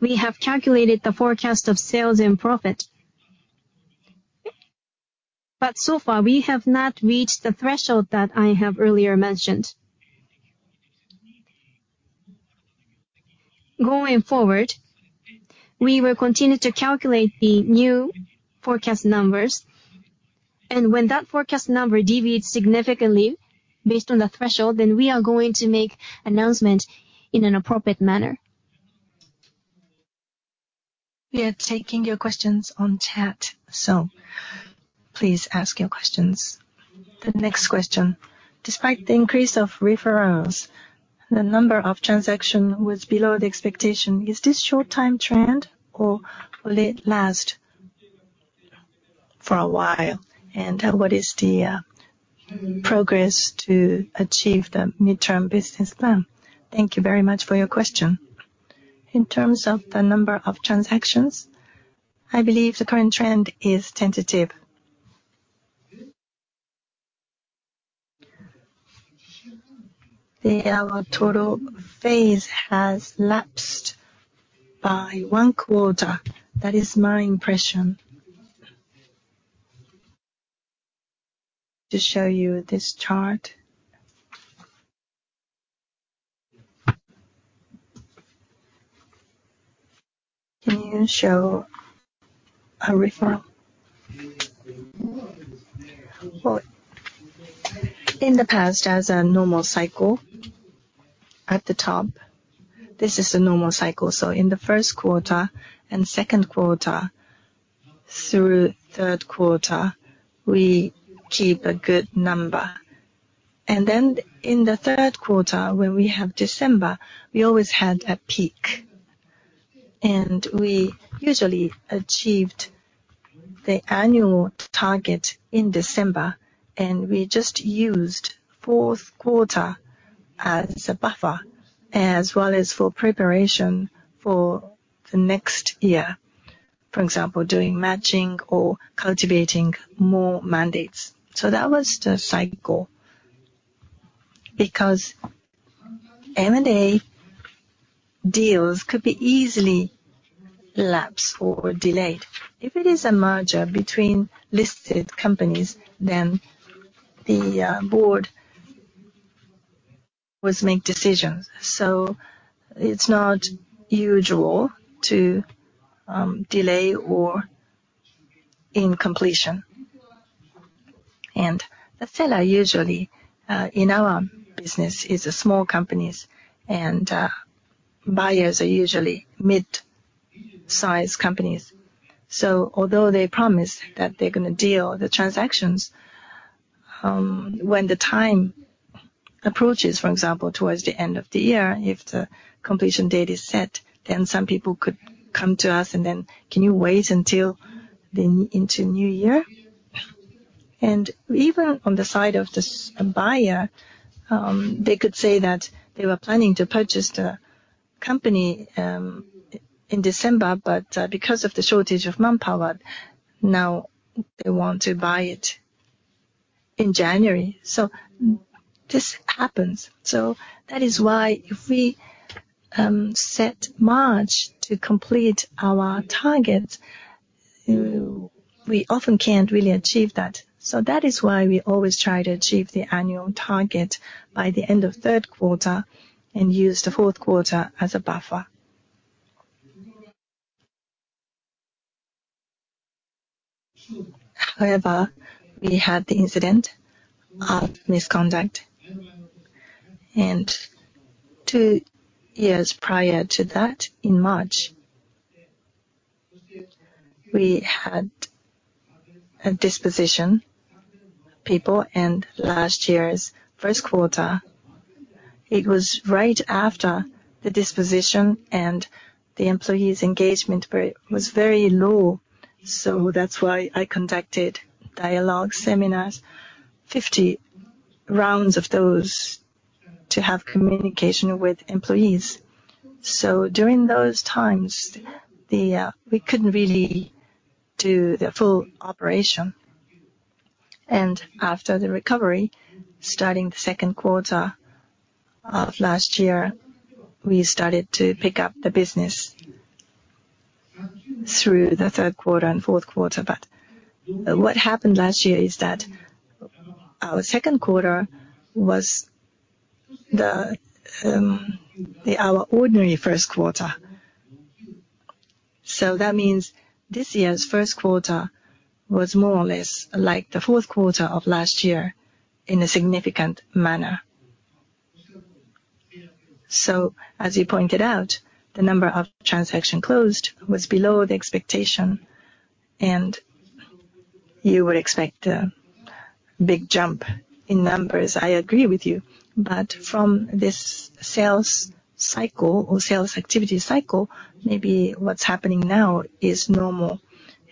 we have calculated the forecast of sales and profit. So far, we have not reached the threshold that I have earlier mentioned. Going forward, we will continue to calculate the new forecast numbers, and when that forecast number deviates significantly based on the threshold, then we are going to make announcement in an appropriate manner. We are taking your questions on chat, so please ask your questions. The next question: Despite the increase of referrals, the number of transaction was below the expectation. Is this short-time trend or will it last for a while? What is the progress to achieve the midterm business plan? Thank you very much for your question. In terms of the number of transactions, I believe the current trend is tentative. Our total phase has lapsed by 1 quarter. That is my impression. To show you this chart. Can you show a referral? In the past, as a normal cycle, at the top, this is a normal cycle. In the Q1 and Q2 through Q3, we keep a good number. In the Q3, when we have December, we always had a peak, and we usually achieved the annual target in December, and we just used fourth quarter as a buffer, as well as for preparation for the next year. For example, doing matching or cultivating more mandates. That was the cycle. Because M&A deals could be easily lapsed or delayed. If it is a merger between listed companies, then the board must make decisions, so it's not usual to delay or in completion. The seller, usually, in our business, is small companies, and buyers are usually mid-size companies. Although they promise that they're gonna deal the transactions, when the time approaches, for example, towards the end of the year, if the completion date is set, then some people could come to us and then, "Can you wait until the New Year?" Even on the side of the buyer, they could say that they were planning to purchase the company in December, but because of the shortage of manpower, now they want to buy it in January. This happens. That is why if we set March to complete our target, we often can't really achieve that. That is why we always try to achieve the annual target by the end of Q3 and use the fourth quarter as a buffer. However, we had the incident of misconduct, and 2 years prior to that, in March, we had a disposition people, last year's Q1. It was right after the disposition, and the employees' engagement was very low. That's why I conducted dialogue seminars, 50 rounds of those, to have communication with employees. During those times, we couldn't really do the full operation. After the recovery, starting the Q2 of last year, we started to pick up the business through the Q3 and fourth quarter. What happened last year is that our Q2 was the, our ordinary Q1. That means this year's Q1 was more or less like the fourth quarter of last year in a significant manner. As you pointed out, the number of transaction closed was below the expectation, and you would expect a big jump in numbers. I agree with you, from this sales cycle or sales activity cycle, maybe what's happening now is normal.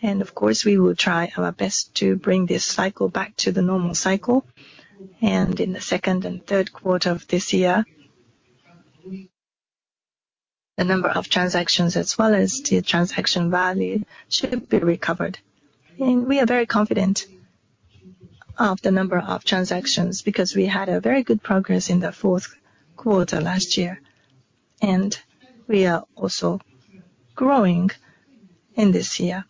Of course, we will try our best to bring this cycle back to the normal cycle. In the second and Q3 of this year, the number of transactions as well as the transaction value should be recovered. We are very confident of the number of transactions, because we had a very good progress in the fourth quarter last year, and we are also growing in this year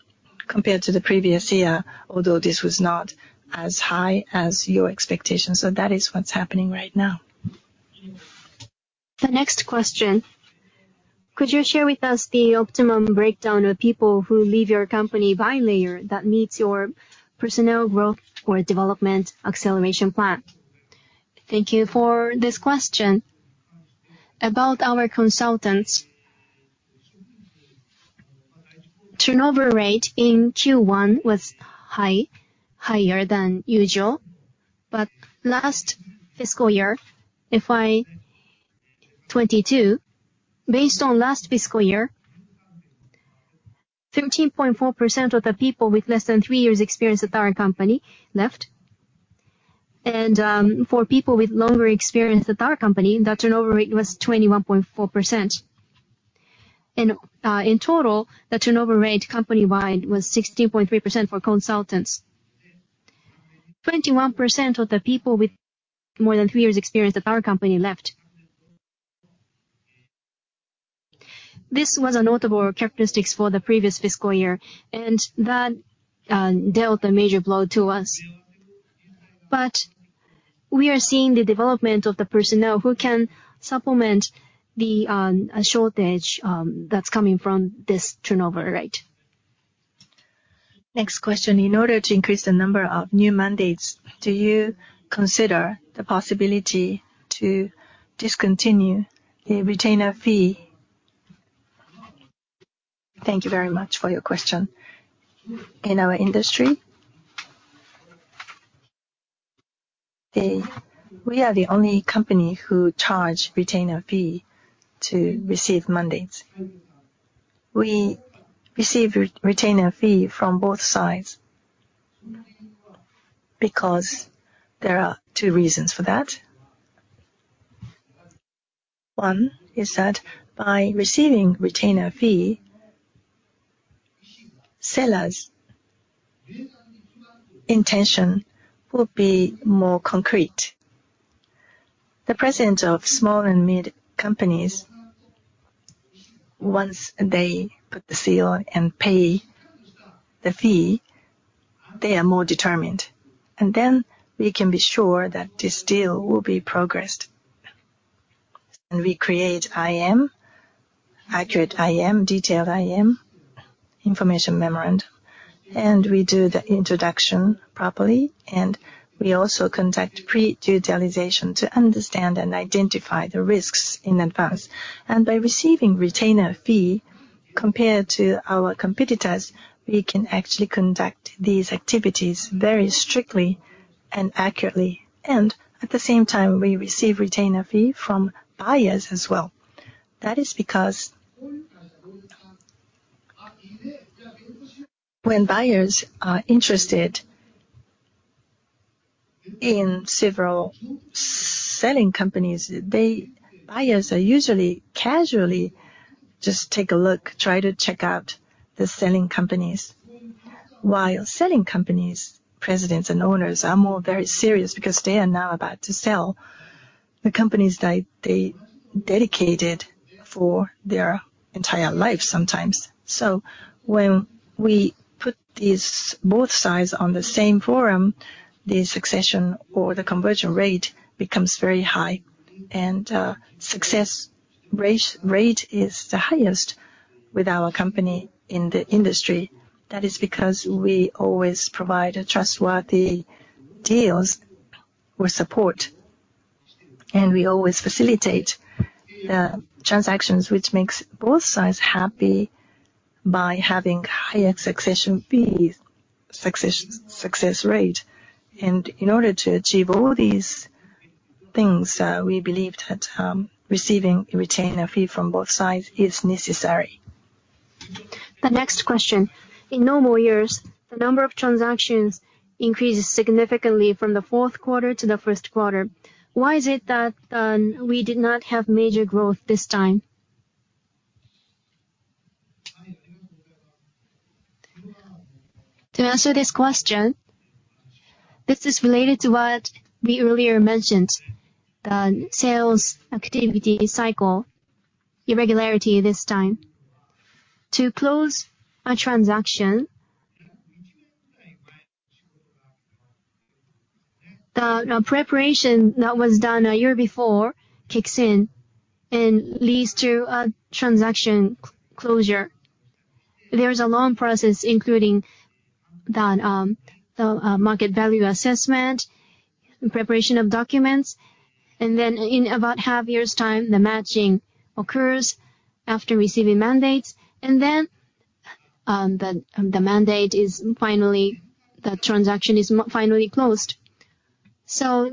compared to the previous year, although this was not as high as your expectations. That is what's happening right now. The next question: Could you share with us the optimum breakdown of people who leave your company by layer that meets your personnel growth or development acceleration plan? Thank you for this question. About our consultants, turnover rate in Q1 was high, higher than usual. Last fiscal year, FY 2022, based on last fiscal year, 13.4% of the people with less than 3 years experience at our company left. For people with longer experience at our company, the turnover rate was 21.4%. In total, the turnover rate company-wide was 16.3% for consultants. 21% of the people with more than 3 years experience at our company left. This was a notable characteristics for the previous fiscal year, and that dealt a major blow to us. We are seeing the development of the personnel who can supplement the shortage that's coming from this turnover rate. Next question. In order to increase the number of new mandates, do you consider the possibility to discontinue the retainer fee? Thank you very much for your question. In our industry, we are the only company who charge retainer fee to receive mandates. We receive retainer fee from both sides, because there are two reasons for that. One is that by receiving retainer fee, sellers' intention will be more concrete. The presence of small and mid companies, once they put the seal and pay the fee, they are more determined, and then we can be sure that this deal will be progressed. We create IM, accurate IM, detailed IM, information memorandum, and we do the introduction properly, and we also conduct pre-due diligence to understand and identify the risks in advance. By receiving retainer fee, compared to our competitors, we can actually conduct these activities very strictly and accurately. At the same time, we receive retainer fee from buyers as well. That is because when buyers are interested in several selling companies, Buyers are usually casually just take a look, try to check out the selling companies. While selling companies, presidents and owners, are more very serious, because they are now about to sell the companies that they dedicated for their entire life sometimes. When we put these both sides on the same forum, the succession or the conversion rate becomes very high, and success rate is the highest with our company in the industry. That is because we always provide trustworthy deals with support, and we always facilitate the transactions which makes both sides happy by having higher succession fees, success rate. In order to achieve all these things, we believe that receiving a retainer fee from both sides is necessary. The next question: In normal years, the number of transactions increases significantly from the fourth quarter to the Q1. Why is it that we did not have major growth this time? To answer this question, this is related to what we earlier mentioned, the sales activity cycle irregularity this time. To close a transaction, the, the preparation that was done a year before kicks in and leads to a transaction closure. There is a long process, including the, the market value assessment and preparation of documents. Then in about half year's time, the matching occurs after receiving mandates, and then, the, the mandate is finally, the transaction is finally closed.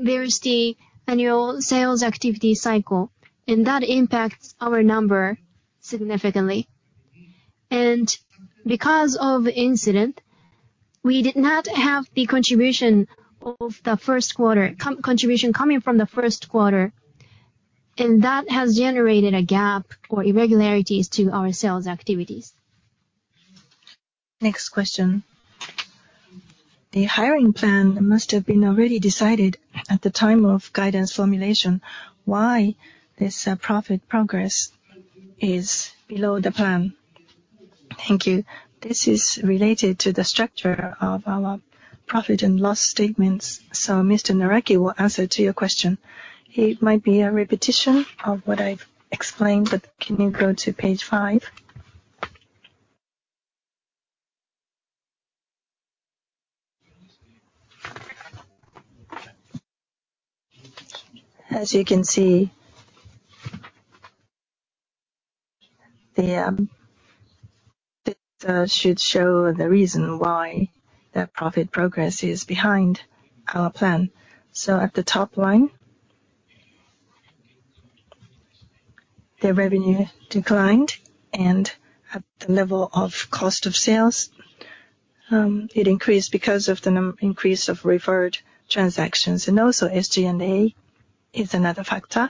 There is the annual sales activity cycle, and that impacts our number significantly. Because of incident, we did not have the contribution of the Q1, contribution coming from the Q1, and that has generated a gap or irregularities to our sales activities. Next question. The hiring plan must have been already decided at the time of guidance formulation. Why this profit progress is below the plan? Thank you. This is related to the structure of our profit and loss statements, so Mr. Naraki will answer to your question. It might be a repetition of what I've explained, but can you go to page 5? As you can see, the data should show the reason why the profit progress is behind our plan. At the top line, the revenue declined. At the level of cost of sales, it increased because of the increase of referred transactions. SG&A is another factor.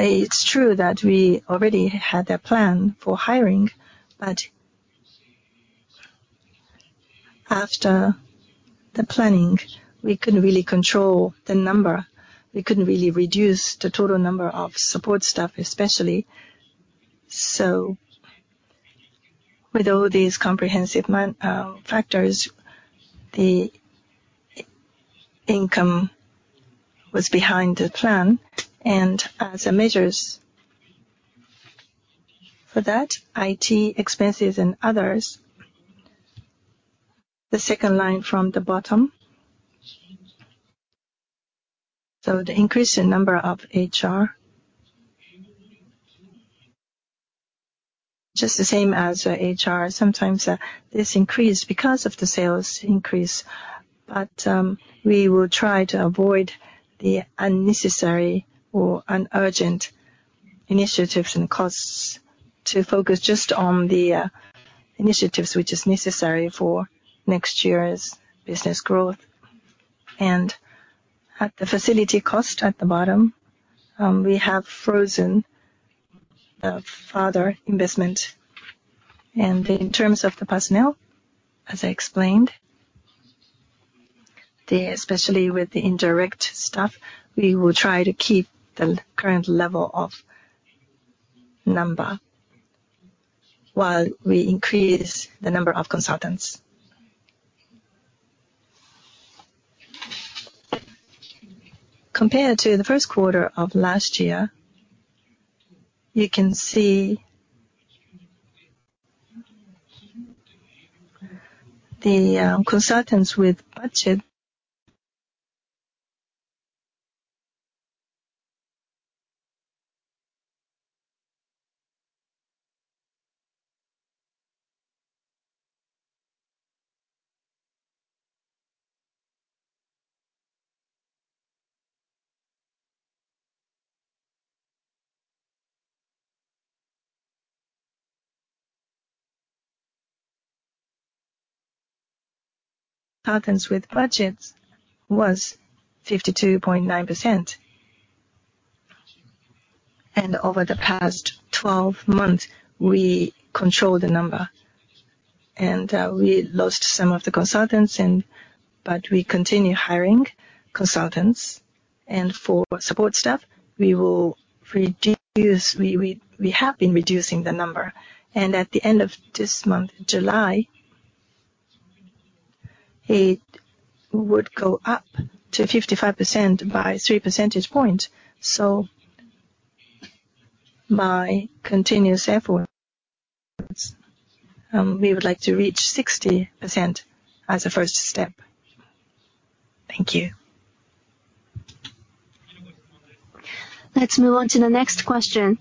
It's true that we already had a plan for hiring, but after the planning, we couldn't really control the number. We couldn't really reduce the total number of support staff, especially. With all these comprehensive factors, the income was behind the plan. As a measures for that, IT expenses and others, the second line from the bottom, so the increase in number of HR, just the same as HR, sometimes this increased because of the sales increase. We will try to avoid the unnecessary or un-urgent initiatives and costs to focus just on the initiatives which is necessary for next year's business growth. At the facility cost, at the bottom, we have frozen the further investment. In terms of the personnel, as I explained, the, especially with the indirect staff, we will try to keep the current level of number, while we increase the number of consultants. Compared to the Q1 of last year, you can see the consultants with budget. consultants with budgets was 52.9%. Over the past 12 months, we controlled the number, and we lost some of the consultants and, but we continue hiring consultants. For support staff, we will reduce, we have been reducing the number. At the end of this month, July, it would go up to 55% by 3 percentage points, so by continuous effort. We would like to reach 60% as a first step. Thank you. Let's move on to the next question.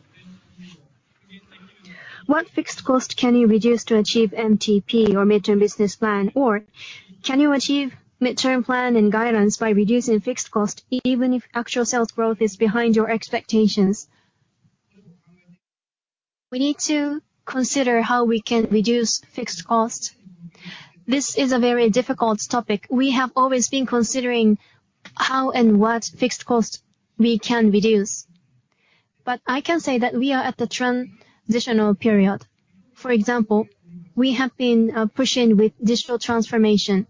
What fixed cost can you reduce to achieve MTP or midterm business plan? Can you achieve midterm plan and guidance by reducing fixed cost even if actual sales growth is behind your expectations? We need to consider how we can reduce fixed costs. This is a very difficult topic. We have always been considering how and what fixed costs we can reduce, but I can say that we are at the transitional period. For example, we have been pushing with digital transformation.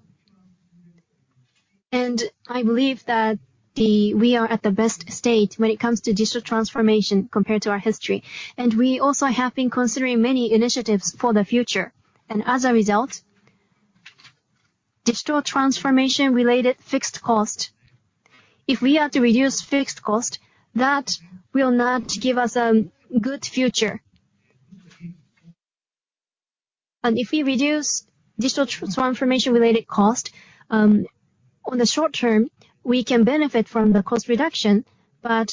I believe that we are at the best state when it comes to digital transformation compared to our history. We also have been considering many initiatives for the future. As a result, digital transformation related fixed cost. If we are to reduce fixed cost, that will not give us a good future. If we reduce digital transformation related cost, on the short term, we can benefit from the cost reduction, but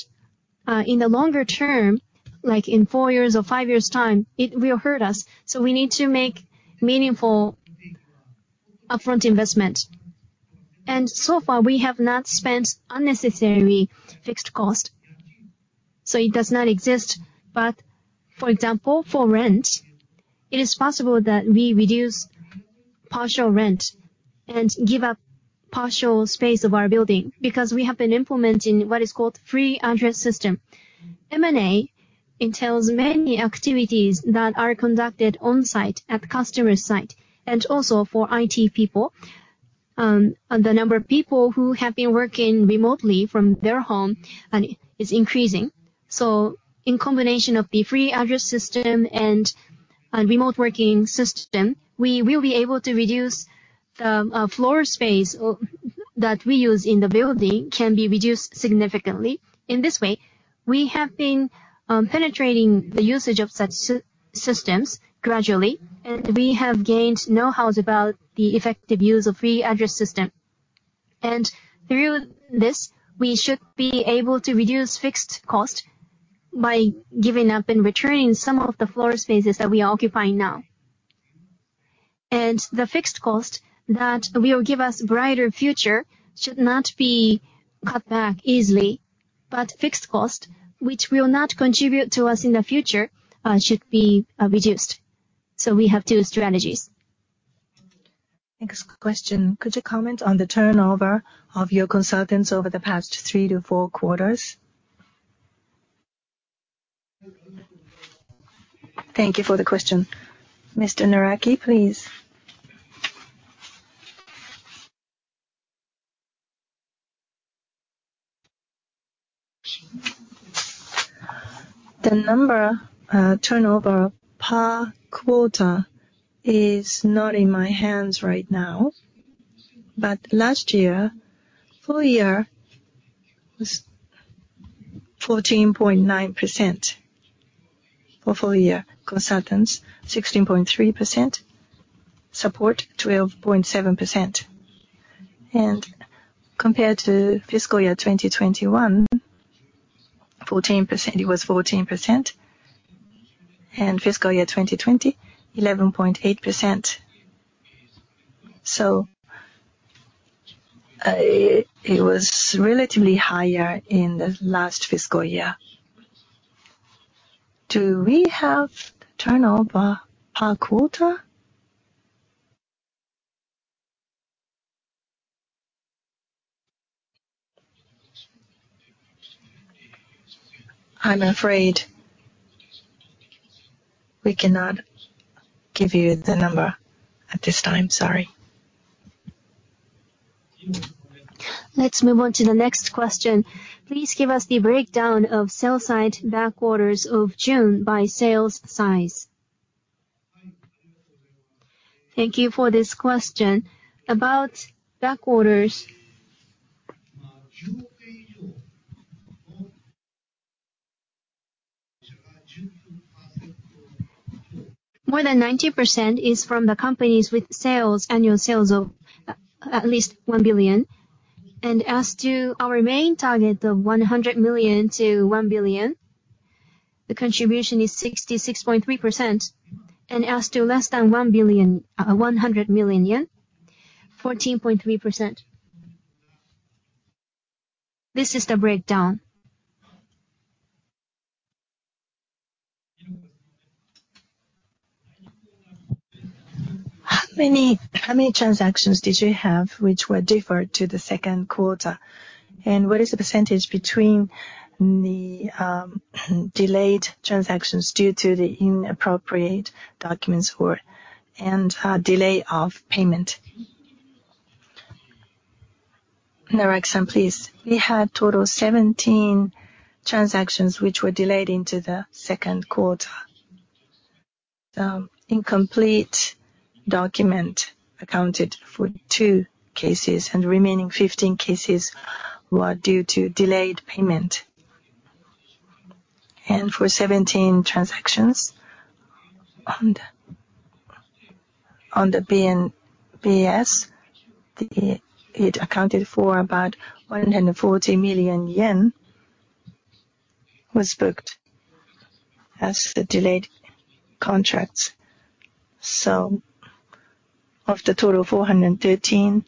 in the longer term, like in four years or five years' time, it will hurt us. We need to make meaningful upfront investment. So far, we have not spent unnecessarily fixed cost, so it does not exist. For example, for rent, it is possible that we reduce partial rent and give up partial space of our building because we have been implementing what is called free address system. M&A entails many activities that are conducted on-site, at the customer site, and also for IT people. The number of people who have been working remotely from their home and is increasing. In combination of the free address system and remote working system, we will be able to reduce, floor space or that we use in the building can be reduced significantly. In this way, we have been penetrating the usage of such systems gradually, and we have gained know-hows about the effective use of free address system. Through this, we should be able to reduce fixed cost by giving up and returning some of the floor spaces that we are occupying now. The fixed cost that will give us brighter future should not be cut back easily, but fixed cost, which will not contribute to us in the future, should be reduced. We have two strategies. Next question. Could you comment on the turnover of your consultants over the past 3-4 quarters? Thank you for the question. Mr. Naraki, please. The number, turnover per quarter is not in my hands right now, but last year, full year was 14.9%. For full year, consultants 16.3%, support 12.7%. Compared to fiscal year 2021, 14%, it was 14%, and fiscal year 2020, 11.8%. It, it was relatively higher in the last fiscal year. Do we have turnover per quarter? I'm afraid we cannot give you the number at this time. Sorry. Let's move on to the next question. Please give us the breakdown of sell-side backorders of June by sales size. Thank you for this question. About backorders, more than 90% is from the companies with sales, annual sales of at least 1 billion. As to our main target, the 100 million-1 billion, the contribution is 66.3%, and as to less than 1 billion, 100 million yen, 14.3%. This is the breakdown. How many, how many transactions did you have, which were deferred to the Q2? What is the % between the delayed transactions due to the inappropriate documents for and delay of payment? Naraki-san, please. We had total 17 transactions, which were delayed into the Q2. The incomplete document accounted for 2 cases, the remaining 15 cases were due to delayed payment. For 17 transactions on the BNBS, it accounted for about 140 million yen, was booked as the delayed contracts. Of the total 413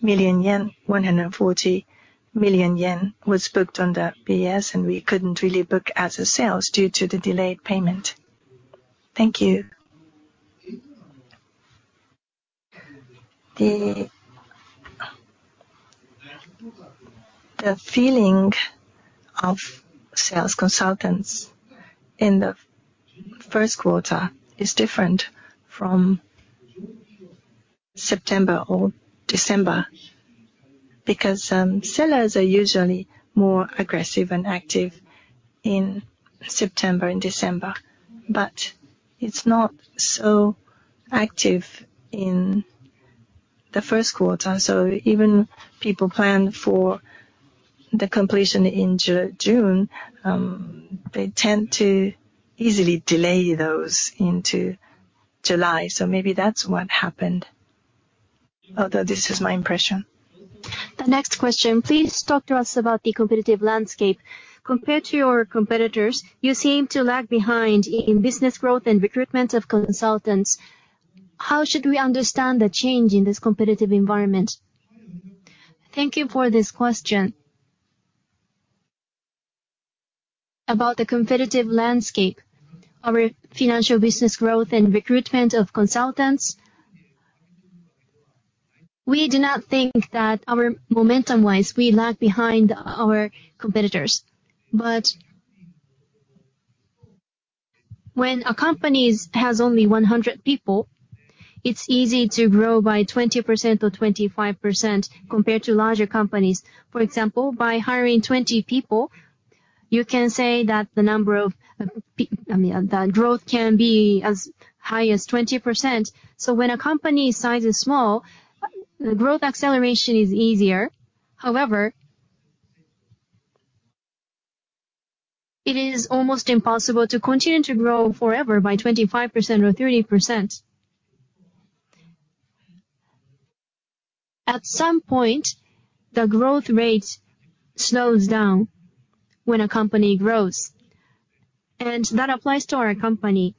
million yen, 140 million yen was booked on the BS, and we couldn't really book as sales due to the delayed payment. Thank you. The feeling of sales consultants in the Q1 is different from September or December, because sellers are usually more aggressive and active in September and December, but it's not so active in the Q1. Even people plan for the completion in June, they tend to easily delay those into July. Maybe that's what happened, although this is my impression. The next question: Please talk to us about the competitive landscape. Compared to your competitors, you seem to lag behind in business growth and recruitment of consultants. How should we understand the change in this competitive environment? Thank you for this question. About the competitive landscape, our financial business growth and recruitment of consultants, we do not think that our momentum-wise, we lag behind our competitors. When a company's has only 100 people, it's easy to grow by 20% or 25% compared to larger companies. For example, by hiring 20 people, you can say that the number of I mean, the growth can be as high as 20%. When a company's size is small, the growth acceleration is easier. However, it is almost impossible to continue to grow forever by 25% or 30%. At some point, the growth rate slows down when a company grows, and that applies to our company.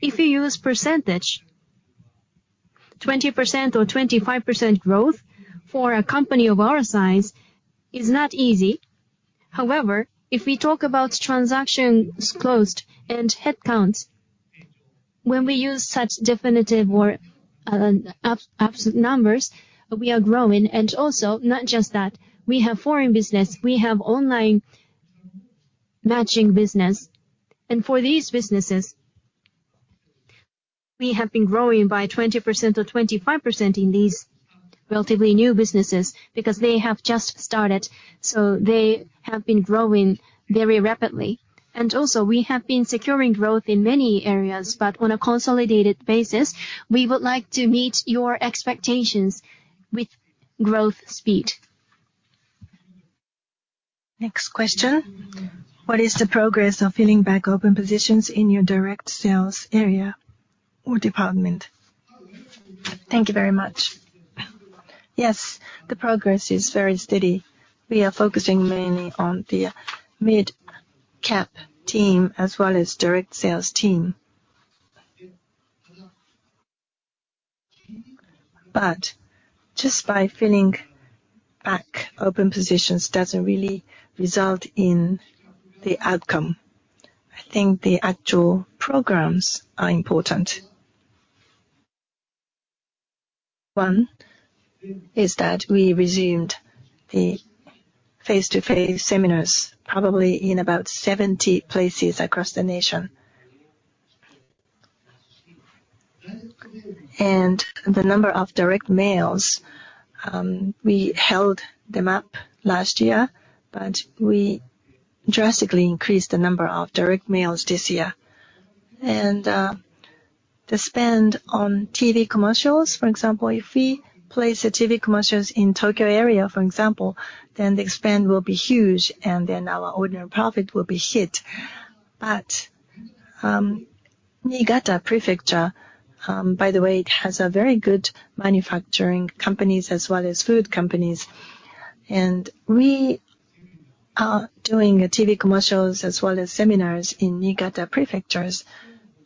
If you use percentage, 20% or 25% growth for a company of our size is not easy. However, if we talk about transactions closed and headcounts, when we use such definitive or absolute numbers, we are growing, and also not just that, we have foreign business, we have online matching business. For these businesses, we have been growing by 20% or 25% in these relatively new businesses because they have just started, so they have been growing very rapidly. Also, we have been securing growth in many areas, but on a consolidated basis, we would like to meet your expectations with growth speed. Next question. What is the progress of filling back open positions in your direct sales area or department? Thank you very much. Yes, the progress is very steady. We are focusing mainly on the mid-cap team as well as direct sales team. Just by filling back open positions doesn't really result in the outcome. I think the actual programs are important. One is that we resumed the face-to-face seminars, probably in about 70 places across the nation. The number of direct mails, we held them up last year, but we drastically increased the number of direct mails this year. The spend on TV commercials, for example, if we place the TV commercials in Tokyo area, for example, then the spend will be huge, and then our ordinary profit will be hit. Niigata Prefecture, by the way, it has a very good manufacturing companies as well as food companies, and we are doing TV commercials as well as seminars in Niigata Prefectures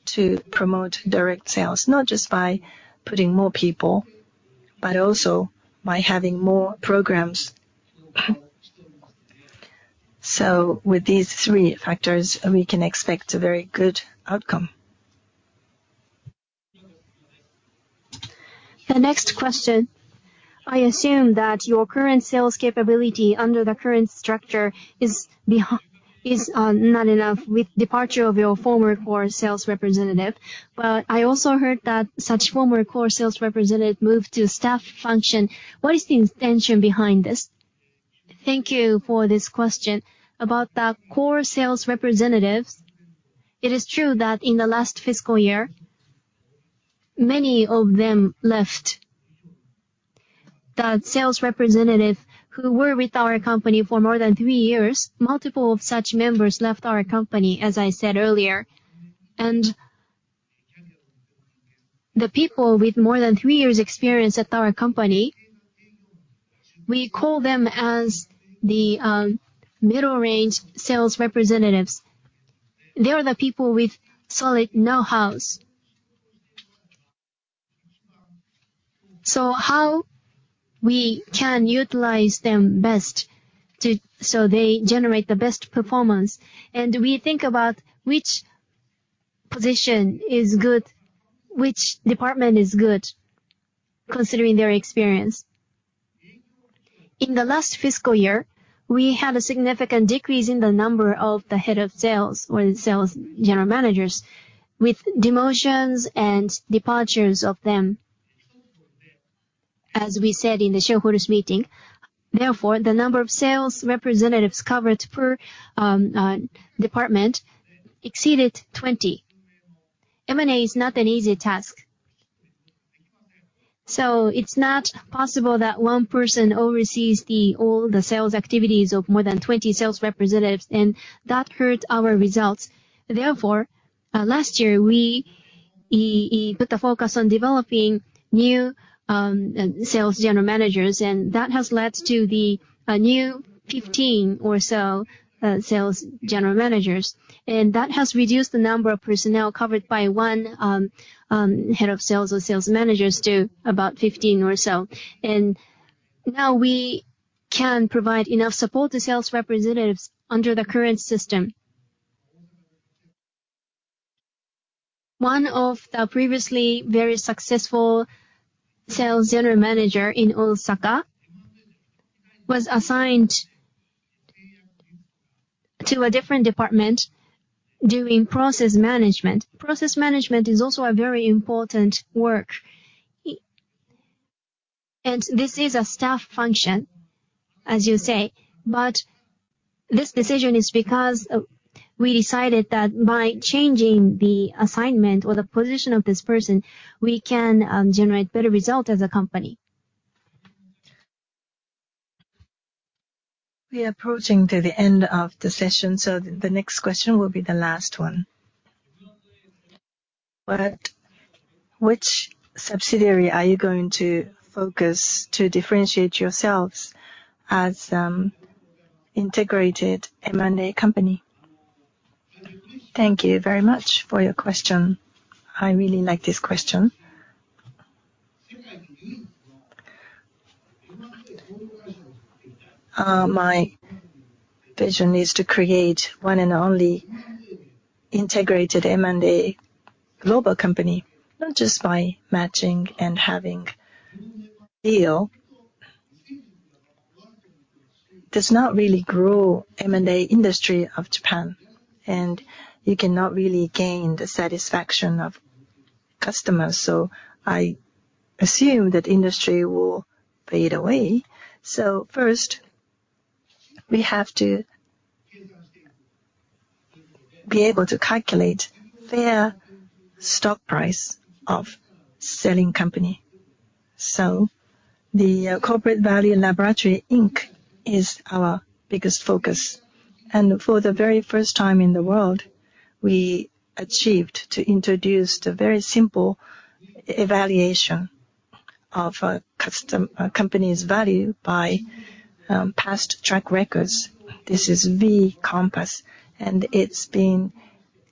to promote direct sales, not just by putting more people, but also by having more programs. With these three factors, we can expect a very good outcome. The next question. I assume that your current sales capability under the current structure is not enough with departure of your former core sales representative. I also heard that such former core sales representative moved to staff function. What is the intention behind this? Thank you for this question. About the core sales representatives, it is true that in the last fiscal year, many of them left. The sales representative who were with our company for more than three years, multiple of such members left our company, as I said earlier. The people with more than three years experience at our company, we call them as the middle range sales representatives. They are the people with solid know-hows. How we can utilize them best to, so they generate the best performance, and we think about which position is good, which department is good, considering their experience. In the last fiscal year, we had a significant decrease in the number of the head of sales or the sales general managers, with demotions and departures of them, as we said in the shareholders meeting. Therefore, the number of sales representatives covered per department exceeded 20. M&A is not an easy task. It's not possible that one person oversees the, all the sales activities of more than 20 sales representatives, and that hurts our results. Therefore, last year, we, we, put the focus on developing new sales general managers, and that has led to the new 15 or so sales general managers. That has reduced the number of personnel covered by one head of sales or sales managers to about 15 or so. Now we can provide enough support to sales representatives under the current system. One of the previously very successful sales general manager in Osaka was assigned to a different department doing process management. Process management is also a very important work. This is a staff function, as you say, but this decision is because we decided that by changing the assignment or the position of this person, we can generate better result as a company. We are approaching to the end of the session, the next question will be the last one. Which subsidiary are you going to focus to differentiate yourselves as integrated M&A company? Thank you very much for your question. I really like this question. My vision is to create one and only integrated M&A global company, not just by matching and having deal, does not really grow M&A industry of Japan, and you cannot really gain the satisfaction of customers, so I assume that industry will fade away. First, we have to be able to calculate fair stock price of selling company. The Corporate Value Laboratory, Inc. is our biggest focus, and for the very first time in the world, we achieved to introduce the very simple evaluation of a company's value by past track records. This is V-Compass, and it's been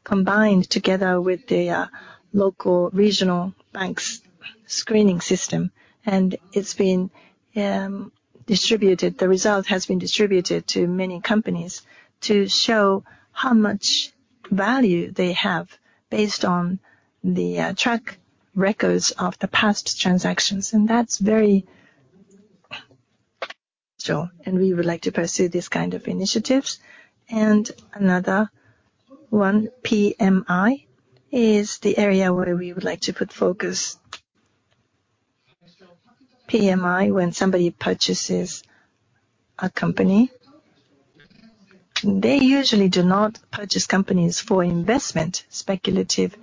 combined together with the local regional banks' screening system, and it's been distributed. The result has been distributed to many companies to show how much value they have based on the track records of the past transactions. We would like to pursue these kind of initiatives. Another one, PMI, is the area where we would like to put focus. PMI, when somebody purchases a company, they usually do not purchase companies for investment, speculative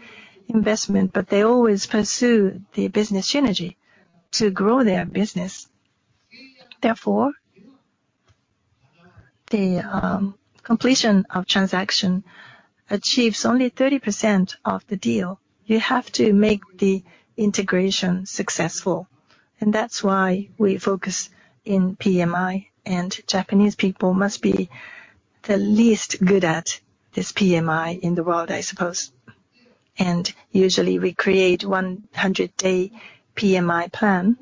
investment, but they always pursue the business synergy to grow their business. Therefore, the completion of transaction achieves only 30% of the deal. You have to make the integration successful, and that's why we focus in PMI. Japanese people must be the least good at this PMI in the world, I suppose. Usually, we create 100-day PMI plan,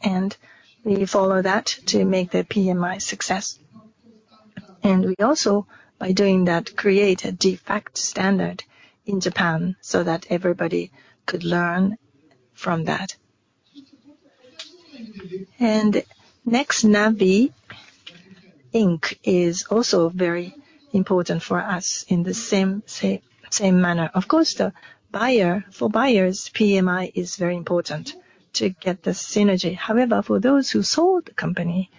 and we follow that to make the PMI success. We also, by doing that, create a de facto standard in Japan so that everybody could learn from that. Next, Navi, Inc. is also very important for us in the same manner. Of course, the buyer, for buyers, PMI is very important to get the synergy. However, for those who sold the company,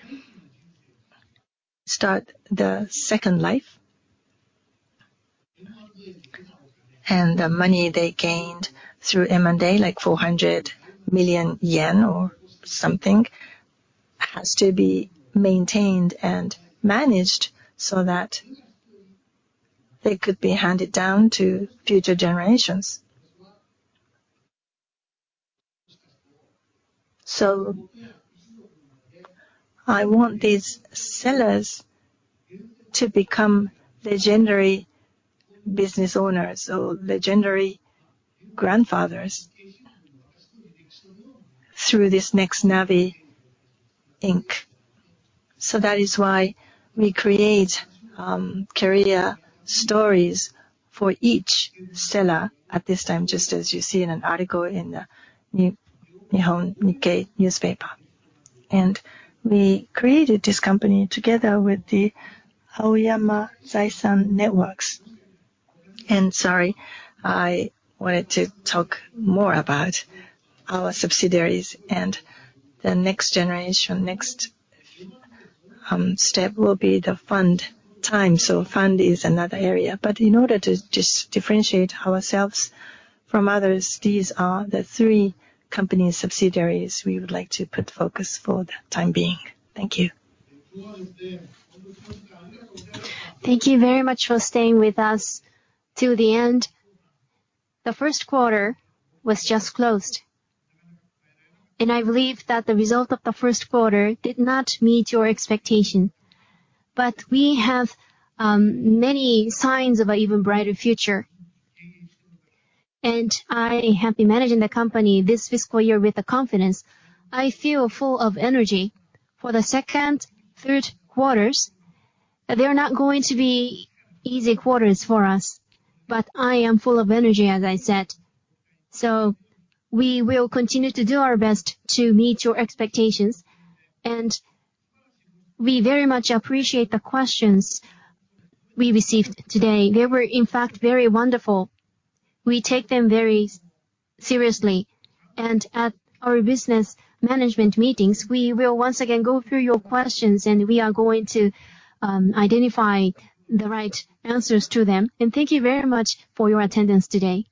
start the second life? The money they gained through M&A, like 400 million yen or something, has to be maintained and managed so that they could be handed down to future generations. I want these sellers to become legendary business owners or legendary grandfathers through this Next Navi, Inc. That is why we create career stories for each seller at this time, just as you see in an article in the Nihon Keizai Shimbun. We created this company together with the Aoyama Zaisan Networks. Sorry, I wanted to talk more about our subsidiaries and the next generation. Next, step will be the fund time. Fund is another area, but in order to just differentiate ourselves from others, these are the three company subsidiaries we would like to put focus for the time being. Thank you. Thank you very much for staying with us till the end. The Q1 was just closed, and I believe that the result of the Q1 did not meet your expectation. We have many signs of an even brighter future, and I have been managing the company this fiscal year with the confidence. I feel full of energy for the second, Q3. They're not going to be easy quarters for us, but I am full of energy, as I said. We will continue to do our best to meet your expectations, and we very much appreciate the questions we received today. They were, in fact, very wonderful. We take them very seriously, and at our business management meetings, we will once again go through your questions, and we are going to identify the right answers to them. Thank you very much for your attendance today.